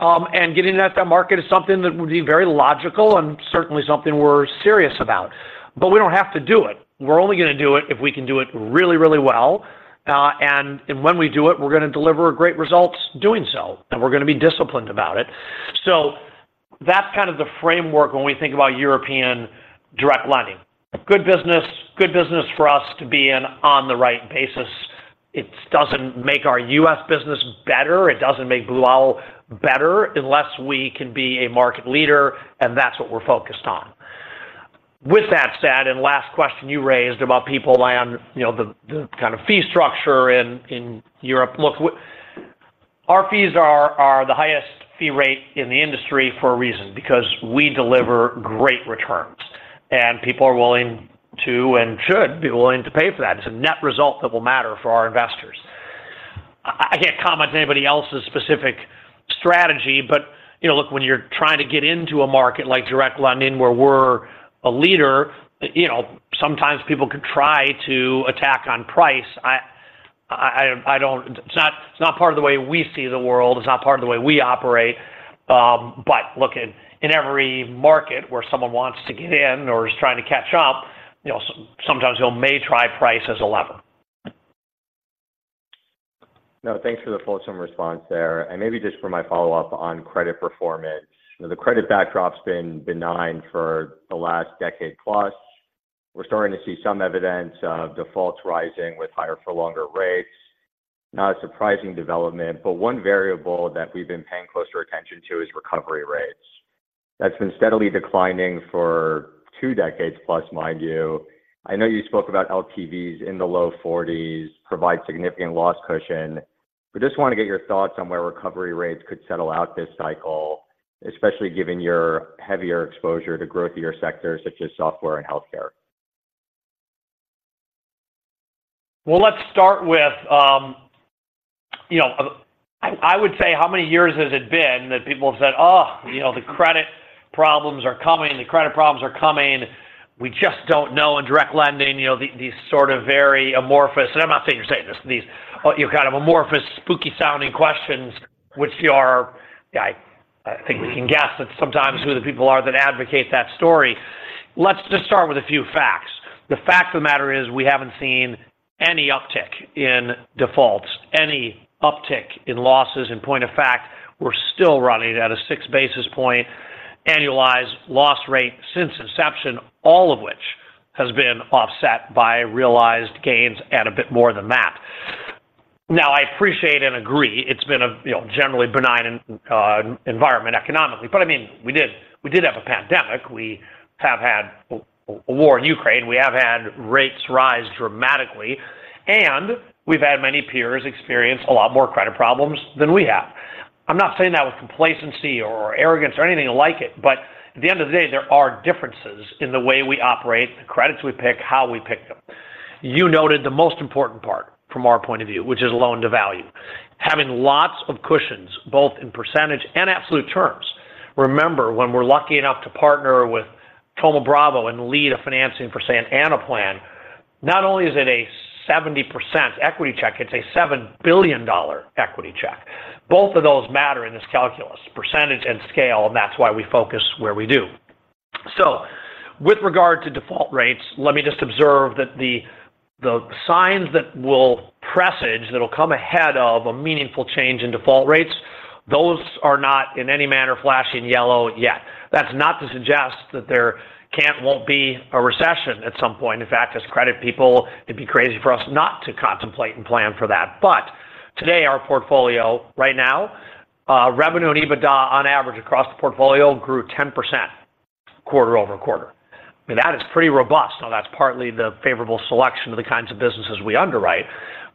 And getting into that market is something that would be very logical and certainly something we're serious about. But we don't have to do it. We're only gonna do it if we can do it really, really well. And when we do it, we're gonna deliver a great results doing so, and we're gonna be disciplined about it. So that's kind of the framework when we think about European direct lending. Good business, good business for us to be in on the right basis. It doesn't make our U.S. business better, it doesn't make Blue Owl better unless we can be a market leader, and that's what we're focused on. With that said, and last question you raised about people rely on, you know, the kind of fee structure in Europe. Look, our fees are the highest fee rate in the industry for a reason, because we deliver great returns, and people are willing to and should be willing to pay for that. It's a net result that will matter for our investors. I can't comment on anybody else's specific strategy, but, you know, look, when you're trying to get into a market like direct lending, where we're a leader, you know, sometimes people could try to attack on price. I don't. It's not part of the way we see the world. It's not part of the way we operate, but look, in every market where someone wants to get in or is trying to catch up, you know, sometimes they may try price as a lever. No, thanks for the fulsome response there. Maybe just for my follow-up on credit performance. You know, the credit backdrop's been benign for the last decade plus. We're starting to see some evidence of defaults rising with higher for longer rates. Not a surprising development, but one variable that we've been paying closer attention to is recovery rates. That's been steadily declining for two decades plus, mind you. I know you spoke about LTVs in the low 40s, provide significant loss cushion, but just want to get your thoughts on where recovery rates could settle out this cycle, especially given your heavier exposure to growth in your sectors, such as software and healthcare. Well, let's start with, you know, I would say, how many years has it been that people have said, "Oh, you know, the credit problems are coming, the credit problems are coming. We just don't know," in direct lending, you know, these sort of very amorphous, and I'm not saying you're saying this, these, you know, kind of amorphous, spooky-sounding questions, which are, I think we can guess that sometimes who the people are that advocate that story. Let's just start with a few facts. The fact of the matter is, we haven't seen any uptick in defaults, any uptick in losses. In point of fact, we're still running at a six basis point annualized loss rate since inception, all of which has been offset by realized gains and a bit more than that. Now, I appreciate and agree it's been a, you know, generally benign environment economically, but I mean, we did, we did have a pandemic. We have had a war in Ukraine. We have had rates rise dramatically, and we've had many peers experience a lot more credit problems than we have. I'm not saying that with complacency or arrogance or anything like it, but at the end of the day, there are differences in the way we operate, the credits we pick, how we PIK them. You noted the most important part from our point of view, which is loan-to-value. Having lots of cushions, both in percentage and absolute terms. Remember, when we're lucky enough to partner with Thoma Bravo and lead a financing for, say, Anaplan, not only is it a 70% equity check, it's a $7 billion equity check. Both of those matter in this calculus, percentage and scale, and that's why we focus where we do. So with regard to default rates, let me just observe that the signs that will presage, that will come ahead of a meaningful change in default rates. Those are not in any manner flashing yellow yet. That's not to suggest that there can't, won't be a recession at some point. In fact, as credit people, it'd be crazy for us not to contemplate and plan for that. But today, our portfolio right now, revenue and EBITDA on average across the portfolio grew 10% quarter-over-quarter. I mean, that is pretty robust. Now, that's partly the favorable selection of the kinds of businesses we underwrite,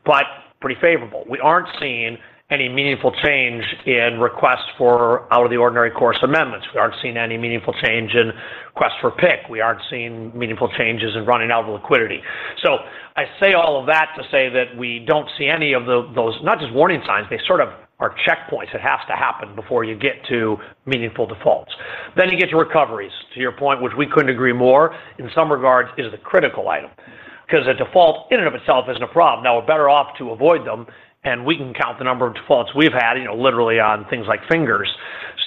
but pretty favorable. We aren't seeing any meaningful change in requests for out-of-the-ordinary course amendments. We aren't seeing any meaningful change in request for pick. We aren't seeing meaningful changes in running out of liquidity. So I say all of that to say that we don't see any of those, not just warning signs, they sort of are checkpoints. It has to happen before you get to meaningful defaults. Then you get to recoveries, to your point, which we couldn't agree more, in some regards, is the critical item. Because a default in and of itself isn't a problem. Now, we're better off to avoid them, and we can count the number of defaults we've had, you know, literally on things like fingers.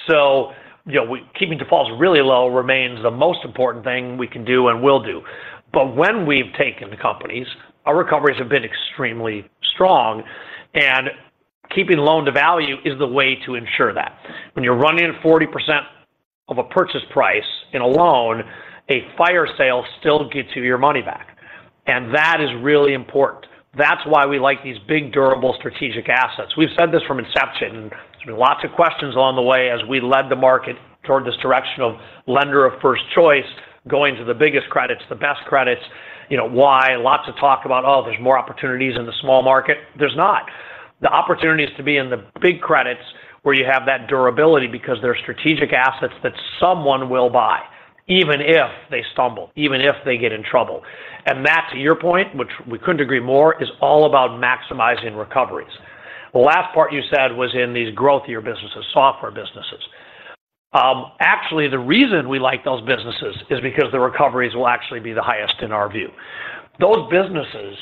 So, you know, we keeping defaults really low remains the most important thing we can do and will do. But when we've taken the companies, our recoveries have been extremely strong, and keeping loan-to-value is the way to ensure that. When you're running 40% of a purchase price in a loan, a fire sale still gets you your money back. And that is really important. That's why we like these big, durable strategic assets. We've said this from inception. There's been lots of questions along the way as we led the market toward this direction of lender of first choice, going to the biggest credits, the best credits. You know why? Lots of talk about, oh, there's more opportunities in the small market. There's not. The opportunity is to be in the big credits where you have that durability because they're strategic assets that someone will buy, even if they stumble, even if they get in trouble. And that, to your point, which we couldn't agree more, is all about maximizing recoveries. The last part you said was in these growthier businesses, software businesses. Actually, the reason we like those businesses is because the recoveries will actually be the highest in our view. Those businesses,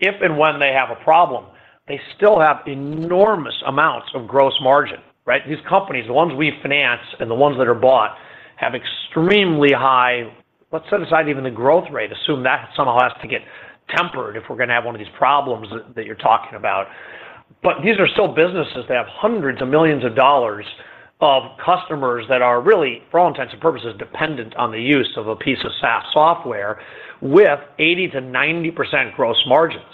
if and when they have a problem, they still have enormous amounts of gross margin, right? These companies, the ones we finance and the ones that are bought, have extremely high... Let's set aside even the growth rate. Assume that somehow has to get tempered if we're going to have one of these problems that you're talking about. But these are still businesses that have hundreds of millions of dollars of customers that are really, for all intents and purposes, dependent on the use of a piece of SaaS software with 80%-90% gross margins.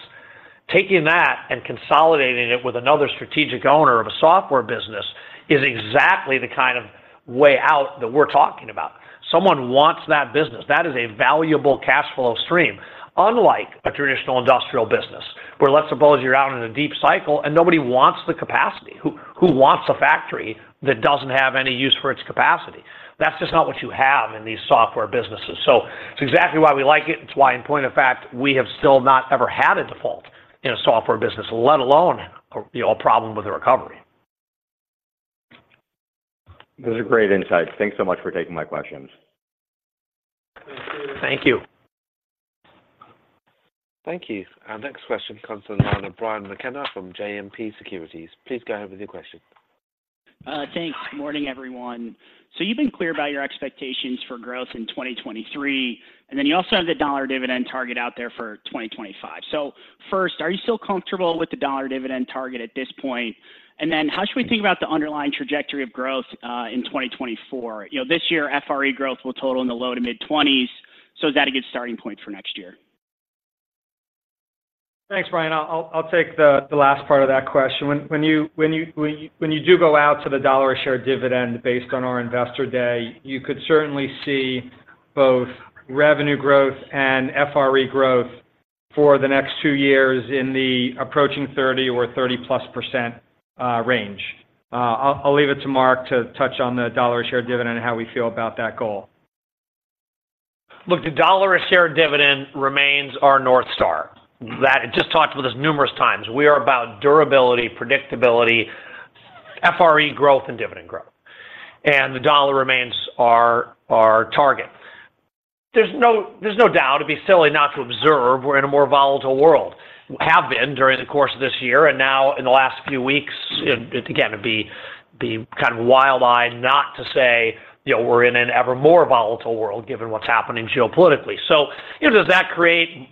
Taking that and consolidating it with another strategic owner of a software business is exactly the kind of way out that we're talking about. Someone wants that business. That is a valuable cash flow stream, unlike a traditional industrial business, where let's suppose you're out in a deep cycle and nobody wants the capacity. Who, who wants a factory that doesn't have any use for its capacity? That's just not what you have in these software businesses. So it's exactly why we like it. It's why, in point of fact, we have still not ever had a default in a software business, let alone a, you know, a problem with the recovery. Those are great insights. Thanks so much for taking my questions. Thank you. Thank you. Thank you. Our next question comes from Brian McKenna from JMP Securities. Please go ahead with your question. Thanks. Morning, everyone. So you've been clear about your expectations for growth in 2023, and then you also have the dollar dividend target out there for 2025. So first, are you still comfortable with the dollar dividend target at this point? And then how should we think about the underlying trajectory of growth in 2024? You know, this year, FRE growth will total in the low-to-mid 20s, so is that a good starting point for next year? Thanks, Brian. I'll take the last part of that question. When you do go out to the $1 a share dividend based on our Investor Day, you could certainly see both revenue growth and FRE growth for the next two years in the approaching 30% or 30%+ range. I'll leave it to Marc to touch on the $1 a share dividend and how we feel about that goal. Look, the $1 a share dividend remains our North Star. That. I just talked about this numerous times. We are about durability, predictability, FRE growth, and dividend growth. And the dollar remains our, our target. There's no, there's no doubt, it'd be silly not to observe we're in a more volatile world. We have been during the course of this year and now in the last few weeks, it, it again, it'd be kind of wild-eyed not to say, you know, we're in an ever more volatile world given what's happening geopolitically. So, you know, does that create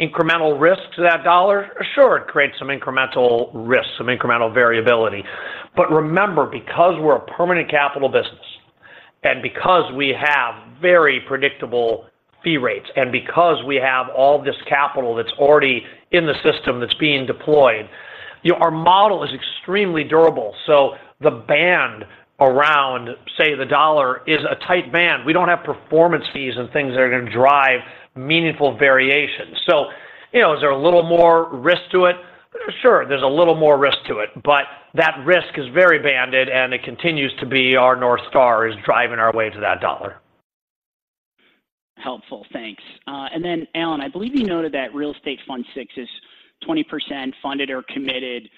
incremental risk to that dollar? Sure, it creates some incremental risk, some incremental variability. But remember, because we're a permanent capital business, and because we have very predictable fee rates, and because we have all this capital that's already in the system that's being deployed, our model is extremely durable. So the band around, say, the dollar is a tight band. We don't have performance fees and things that are going to drive meaningful variation. So, you know, is there a little more risk to it? Sure, there's a little more risk to it, but that risk is very banded and it continues to be our North Star, is driving our way to that dollar. Helpful. Thanks. And then, Alan, I believe you noted that Real Estate Fund VI is 20% funded or committed.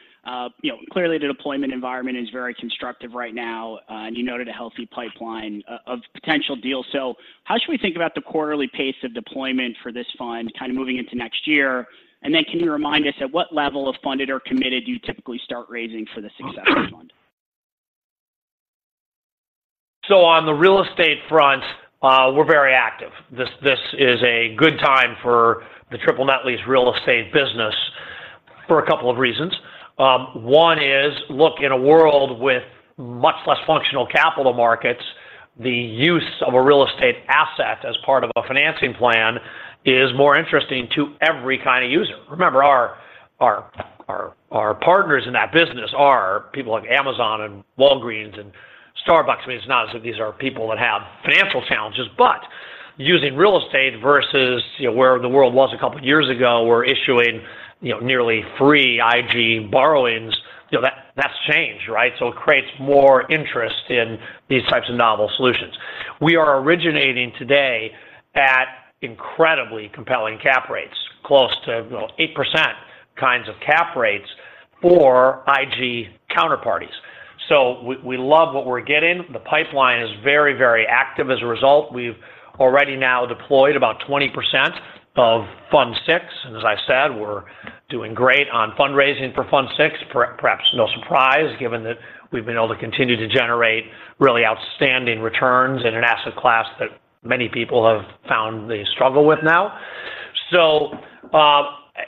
You know, clearly, the deployment environment is very constructive right now, and you noted a healthy pipeline of potential deals. So how should we think about the quarterly pace of deployment for this fund kind of moving into next year? And then can you remind us, at what level of funded or committed do you typically start raising for the successor fund?... So on the real estate front, we're very active. This is a good time for the triple net lease real estate business for a couple of reasons. One is, look, in a world with much less functional capital markets, the use of a real estate asset as part of a financing plan is more interesting to every kind of user. Remember, our partners in that business are people like Amazon and Walgreens and Starbucks. I mean, it's not as if these are people that have financial challenges, but using real estate versus, you know, where the world was a couple of years ago, we're issuing, you know, nearly free IG borrowings. You know, that's changed, right? So it creates more interest in these types of novel solutions. We are originating today at incredibly compelling cap rates, close to, you know, 8% kinds of cap rates for IG counterparties. So we love what we're getting. The pipeline is very, very active. As a result, we've already now deployed about 20% of Fund VI. And as I said, we're doing great on fundraising for Fund VI, perhaps no surprise, given that we've been able to continue to generate really outstanding returns in an asset class that many people have found they struggle with now. So,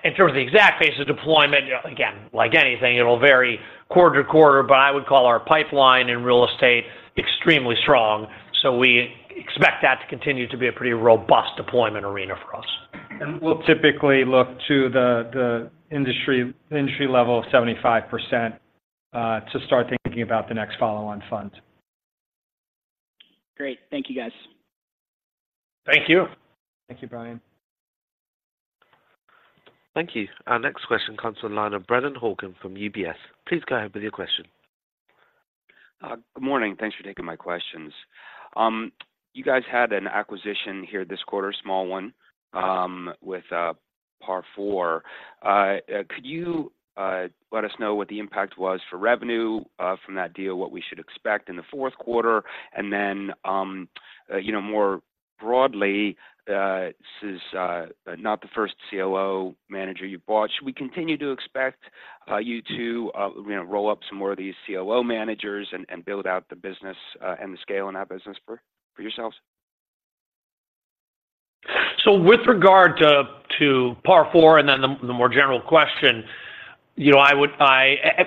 in terms of the exact pace of deployment, again, like anything, it'll vary quarter to quarter, but I would call our pipeline in real estate extremely strong. So we expect that to continue to be a pretty robust deployment arena for us. And we'll typically look to the industry level of 75% to start thinking about the next follow-on fund. Great. Thank you, guys. Thank you. Thank you, Brian. Thank you. Our next question comes from the line of Brennan Hawken from UBS. Please go ahead with your question. Good morning. Thanks for taking my questions. You guys had an acquisition here this quarter, small one, with Par Four. Could you let us know what the impact was for revenue from that deal, what we should expect in the fourth quarter? And then, you know, more broadly, this is not the first CLO manager you've bought. Should we continue to expect you to you know, roll up some more of these CLO managers and build out the business and the scale in that business for yourselves? So with regard to Par Four and then the more general question, you know, I would.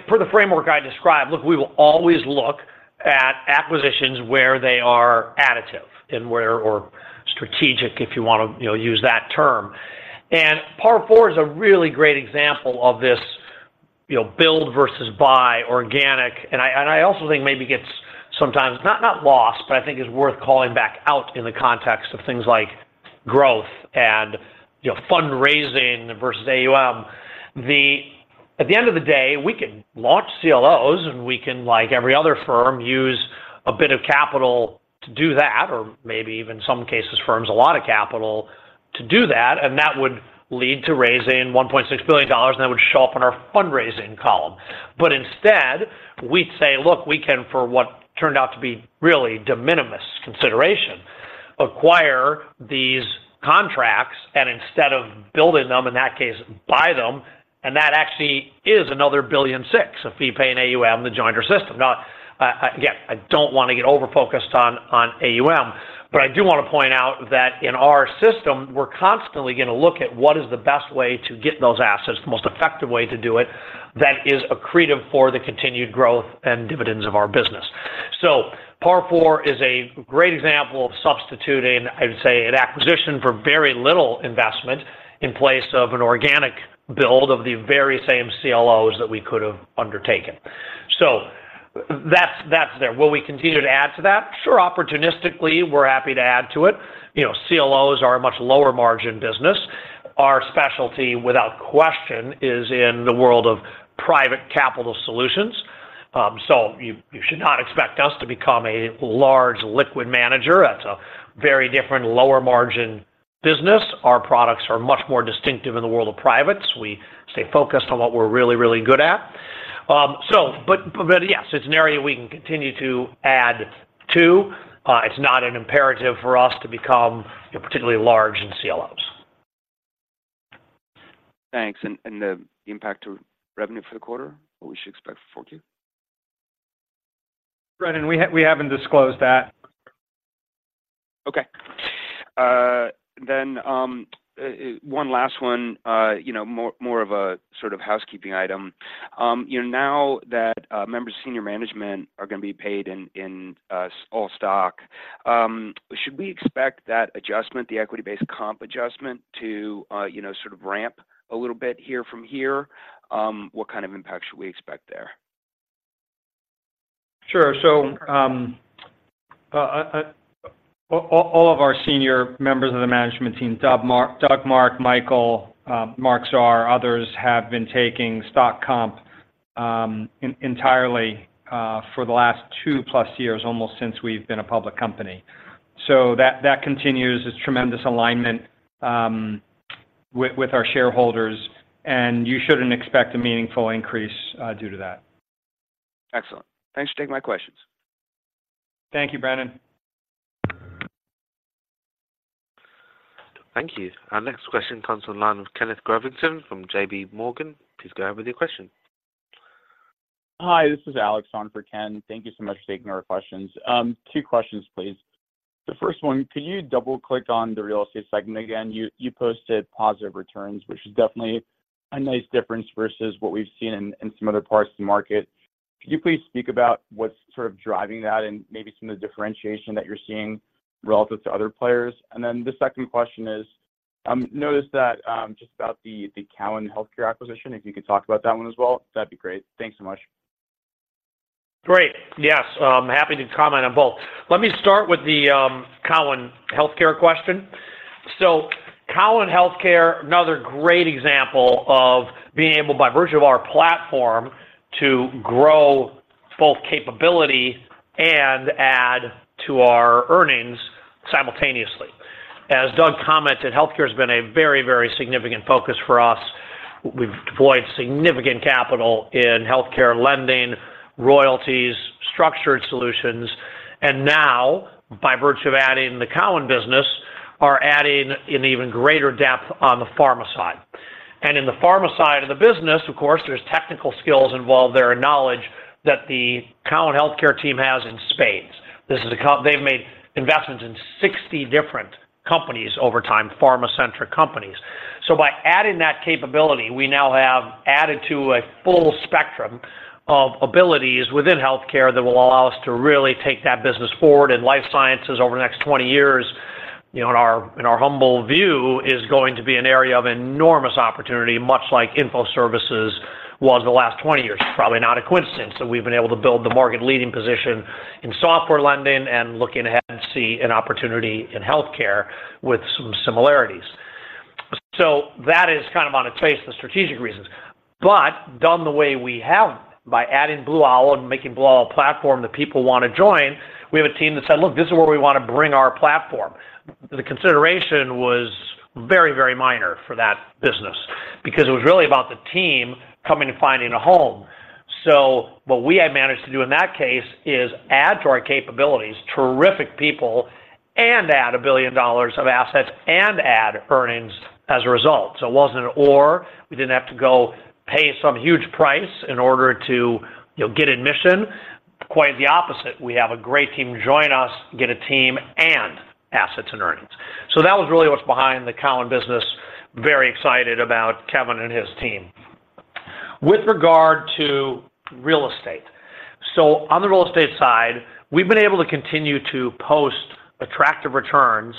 For the framework I described, look, we will always look at acquisitions where they are additive and where or strategic, if you want to, you know, use that term. And Par Four is a really great example of this, you know, build versus buy organic. And I also think maybe gets sometimes not lost, but I think is worth calling back out in the context of things like growth and, you know, fundraising versus AUM. At the end of the day, we can launch CLOs, and we can, like every other firm, use a bit of capital to do that, or maybe even in some cases, firms, a lot of capital to do that, and that would lead to raising $1.6 billion, and that would show up in our fundraising column. But instead, we'd say, "Look, we can, for what turned out to be really de minimis consideration, acquire these contracts, and instead of building them, in that case, buy them," and that actually is another $1.6 billion of fee pay and AUM in the joinder system. Now, again, I don't want to get over-focused on AUM, but I do want to point out that in our system, we're constantly going to look at what is the best way to get those assets, the most effective way to do it, that is accretive for the continued growth and dividends of our business. So Par Four is a great example of substituting, I would say, an acquisition for very little investment in place of an organic build of the very same CLOs that we could have undertaken. So that's there. Will we continue to add to that? Sure, opportunistically, we're happy to add to it. You know, CLOs are a much lower margin business. Our specialty, without question, is in the world of private capital solutions. So you should not expect us to become a large liquid manager. That's a very different lower margin business. Our products are much more distinctive in the world of privates. We stay focused on what we're really, really good at. But yes, it's an area we can continue to add to. It's not an imperative for us to become, you know, particularly large in CLOs. Thanks. And the impact to revenue for the quarter, what we should expect for Q? Brennan, we haven't disclosed that. Okay. Then, one last one, you know, more of a sort of housekeeping item. You know, now that members of senior management are going to be paid in all stock, should we expect that adjustment, the equity-based comp adjustment, to you know, sort of ramp a little bit here from here? What kind of impact should we expect there? Sure. So, all of our senior members of the management team, Doug, Marc, Michael, Marc Zahr, others, have been taking stock comp entirely for the last 2+ years, almost since we've been a public company. So that continues this tremendous alignment with our shareholders, and you shouldn't expect a meaningful increase due to that. Excellent. Thanks for taking my questions. Thank you, Brennan. Thank you. Our next question comes on the line of Kenneth Worthington from JPMorgan. Please go ahead with your question. Hi, this is Alex on for Ken. Thank you so much for taking our questions. Two questions, please. The first one, could you double-click on the real estate segment again? You posted positive returns, which is definitely a nice difference versus what we've seen in some other parts of the market. Could you please speak about what's sort of driving that and maybe some of the differentiation that you're seeing relative to other players? And then the second question is, notice that just about the Cowen Healthcare acquisition, if you could talk about that one as well, that'd be great. Thanks so much. Great. Yes, happy to comment on both. Let me start with the Cowen Healthcare question. So Cowen Healthcare, another great example of being able, by virtue of our platform, to grow both capability and add to our earnings simultaneously. As Doug commented, healthcare has been a very, very significant focus for us. We've deployed significant capital in healthcare lending, royalties, structured solutions, and now, by virtue of adding the Cowen business, are adding an even greater depth on the pharma side. And in the pharma side of the business, of course, there's technical skills involved there and knowledge that the Cowen Healthcare team has in spades. They've made investments in 60 different companies over time, pharma-centric companies. So by adding that capability, we now have added to a full spectrum of abilities within healthcare that will allow us to really take that business forward. And life sciences over the next 20 years, you know, in our, in our humble view, is going to be an area of enormous opportunity, much like info services was the last 20 years. Probably not a coincidence, so we've been able to build the market leading position in software lending and looking ahead and see an opportunity in healthcare with some similarities. So that is kind of on its face, the strategic reasons. But done the way we have, by adding Blue Owl and making Blue Owl a platform that people want to join, we have a team that said, "Look, this is where we want to bring our platform." The consideration was very, very minor for that business because it was really about the team coming and finding a home. So what we have managed to do in that case is add to our capabilities, terrific people, and add $1 billion of assets, and add earnings as a result. So it wasn't an or, we didn't have to go pay some huge price in order to, you know, get admission. Quite the opposite. We have a great team join us, get a team and assets and earnings. So that was really what's behind the Cowen business. Very excited about Kevin and his team. With regard to real estate. So on the real estate side, we've been able to continue to post attractive returns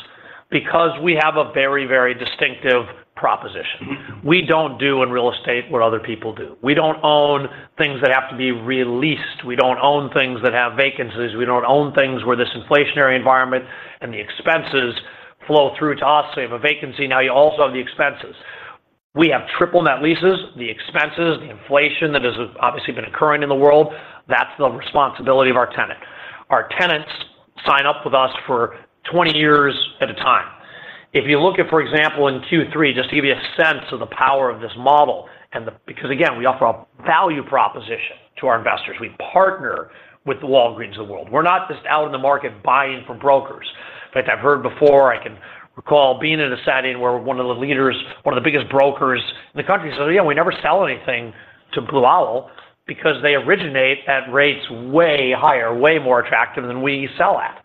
because we have a very, very distinctive proposition. We don't do in real estate what other people do. We don't own things that have to be re-leased. We don't own things that have vacancies. We don't own things where this inflationary environment and the expenses flow through to us. So you have a vacancy, now you also have the expenses. We have triple net leases, the expenses, the inflation that has obviously been occurring in the world, that's the responsibility of our tenant. Our tenants sign up with us for 20 years at a time. If you look at, for example, in Q3, just to give you a sense of the power of this model and the, because again, we offer a value proposition to our investors. We partner with the Walgreens of the world. We're not just out in the market buying from brokers. In fact, I've heard before, I can recall being in a setting where one of the leaders, one of the biggest brokers in the country said, "Yeah, we never sell anything to Blue Owl because they originate at rates way higher, way more attractive than we sell at."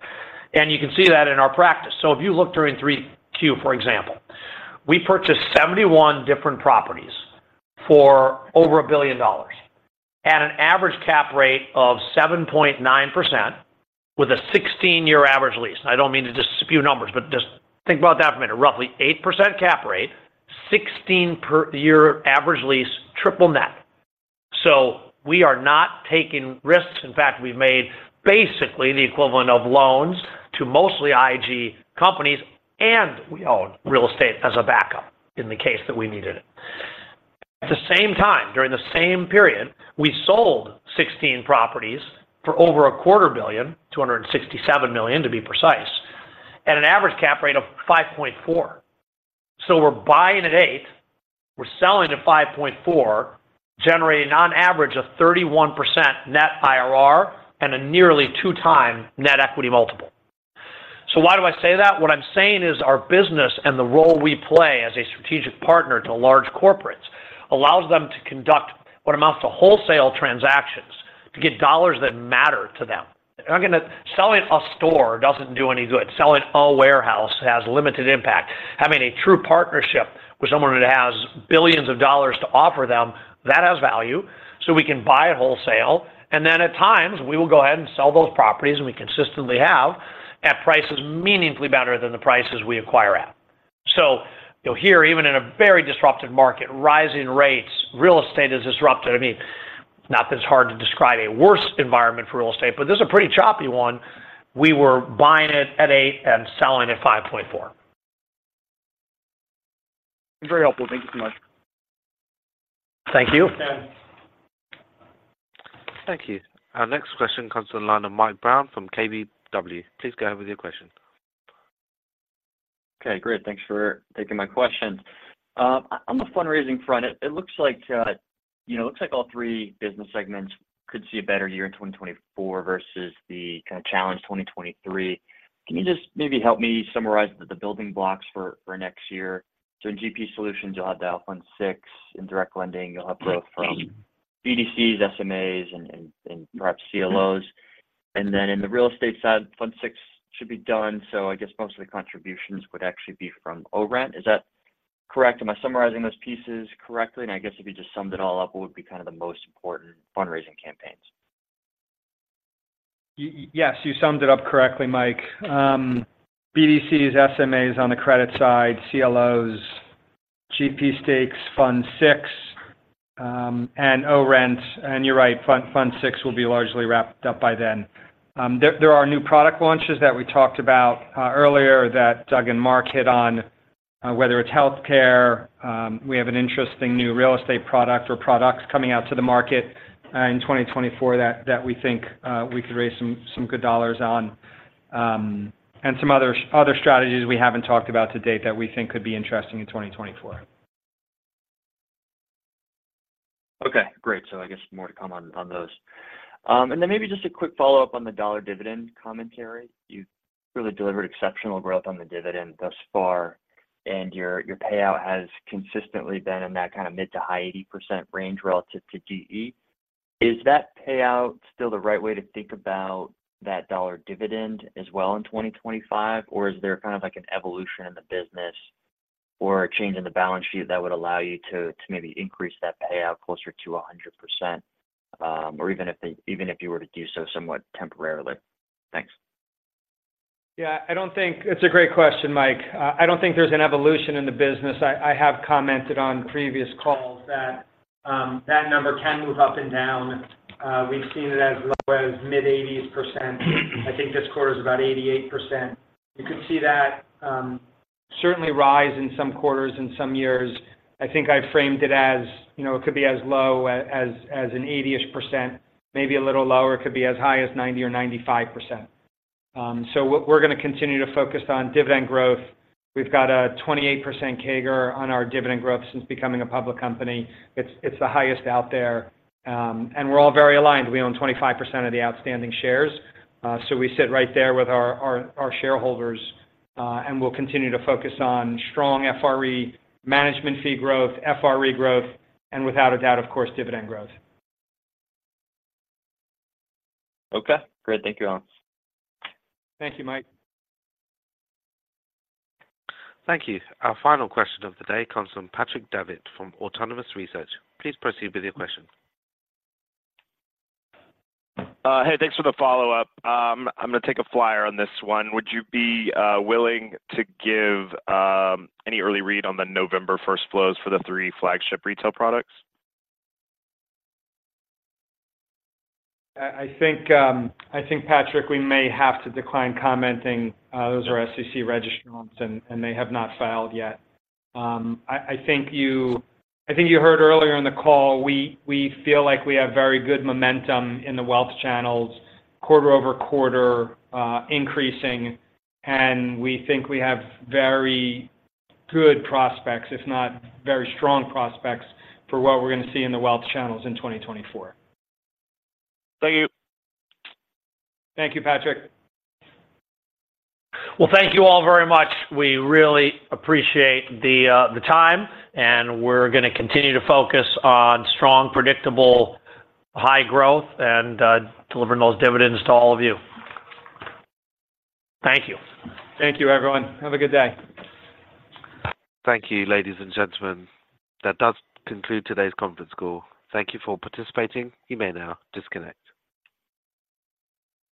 You can see that in our practice. If you look during Q3, for example, we purchased 71 different properties for over $1 billion at an average cap rate of 7.9%, with a 16-year average lease. I don't mean to just spew numbers, but just think about that for a minute. Roughly 8% cap rate, 16-year average lease, triple net. We are not taking risks. In fact, we've made basically the equivalent of loans to mostly IG companies, and we own real estate as a backup in the case that we needed it. At the same time, during the same period, we sold 16 properties for over $250 million, $267 million, to be precise, at an average cap rate of 5.4. So we're buying at eight, we're selling at 5.4, generating on average a 31% net IRR and a nearly 2x net equity multiple. So why do I say that? What I'm saying is, our business and the role we play as a strategic partner to large corporates allows them to conduct what amounts to wholesale transactions to get dollars that matter to them. I'm gonna-- selling a store doesn't do any good. Selling a warehouse has limited impact. Having a true partnership with someone that has billions of dollars to offer them, that has value. So we can buy wholesale, and then at times, we will go ahead and sell those properties, and we consistently have, at prices meaningfully better than the prices we acquire at. So you know here, even in a very disrupted market, rising rates, real estate is disrupted. I mean, not that it's hard to describe a worse environment for real estate, but this is a pretty choppy one. We were buying it at eight and selling at 5.4. Very helpful. Thank you so much. Thank you. Thank you. Our next question comes to the line of Mike Brown from KBW. Please go ahead with your question. Okay, great. Thanks for taking my question. On the fundraising front, it looks like, you know, it looks like all three business segments could see a better year in 2024 versus the kind of challenged 2023. Can you just maybe help me summarize the building blocks for next year? So in GP solutions, you'll have the Fund VI. In direct lending, you'll have growth from BDCs, SMAs, and perhaps CLOs. And then in the real estate side, Fund VI should be done, so I guess most of the contributions would actually be from ORENT. Is that correct? Am I summarizing those pieces correctly? And I guess if you just summed it all up, what would be kind of the most important fundraising campaigns? Yes, you summed it up correctly, Mike. BDCs, SMAs on the credit side, CLOs, GP stakes, Fund VI, and ORENT. You're right, Fund VI will be largely wrapped up by then. There are new product launches that we talked about earlier, that Doug and Marc hit on. Whether it's healthcare, we have an interesting new real estate product or products coming out to the market in 2024, that we think we could raise some good dollars on. And some other strategies we haven't talked about to date that we think could be interesting in 2024. Okay, great. So I guess more to come on, on those. And then maybe just a quick follow-up on the dollar dividend commentary. You've really delivered exceptional growth on the dividend thus far, and your, your payout has consistently been in that kind of mid- to high 80% range relative to DE. Is that payout still the right way to think about that dollar dividend as well in 2025? Or is there kind of like an evolution in the business or a change in the balance sheet that would allow you to, to maybe increase that payout closer to 100%? Or even if you were to do so somewhat temporarily. Thanks. Yeah, I don't think... It's a great question, Mike. I don't think there's an evolution in the business. I have commented on previous calls that that number can move up and down. We've seen it as low as mid-80s%. I think this quarter is about 88%. You could see that certainly rise in some quarters and some years. I think I framed it as, you know, it could be as low as as an 80-ish%, maybe a little lower. It could be as high as 90% or 95%. So we're going to continue to focus on dividend growth. We've got a 28% CAGR on our dividend growth since becoming a public company. It's the highest out there. And we're all very aligned. We own 25% of the outstanding shares. So we sit right there with our shareholders, and we'll continue to focus on strong FRE management fee growth, FRE growth, and without a doubt, of course, dividend growth. Okay, great. Thank you, Alan. Thank you, Mike. Thank you. Our final question of the day comes from Patrick Davitt from Autonomous Research. Please proceed with your question. Hey, thanks for the follow-up. I'm going to take a flyer on this one. Would you be willing to give any early read on the November first flows for the three flagship retail products? I think, Patrick, we may have to decline commenting. Those are SEC registrants, and they have not filed yet. I think you heard earlier in the call, we feel like we have very good momentum in the wealth channels, quarter-over-quarter, increasing, and we think we have very good prospects, if not very strong prospects, for what we're going to see in the wealth channels in 2024. Thank you. Thank you, Patrick. Well, thank you all very much. We really appreciate the time, and we're going to continue to focus on strong, predictable, high growth and delivering those dividends to all of you. Thank you. Thank you, everyone. Have a good day. Thank you, ladies and gentlemen. That does conclude today's conference call. Thank you for participating. You may now disconnect.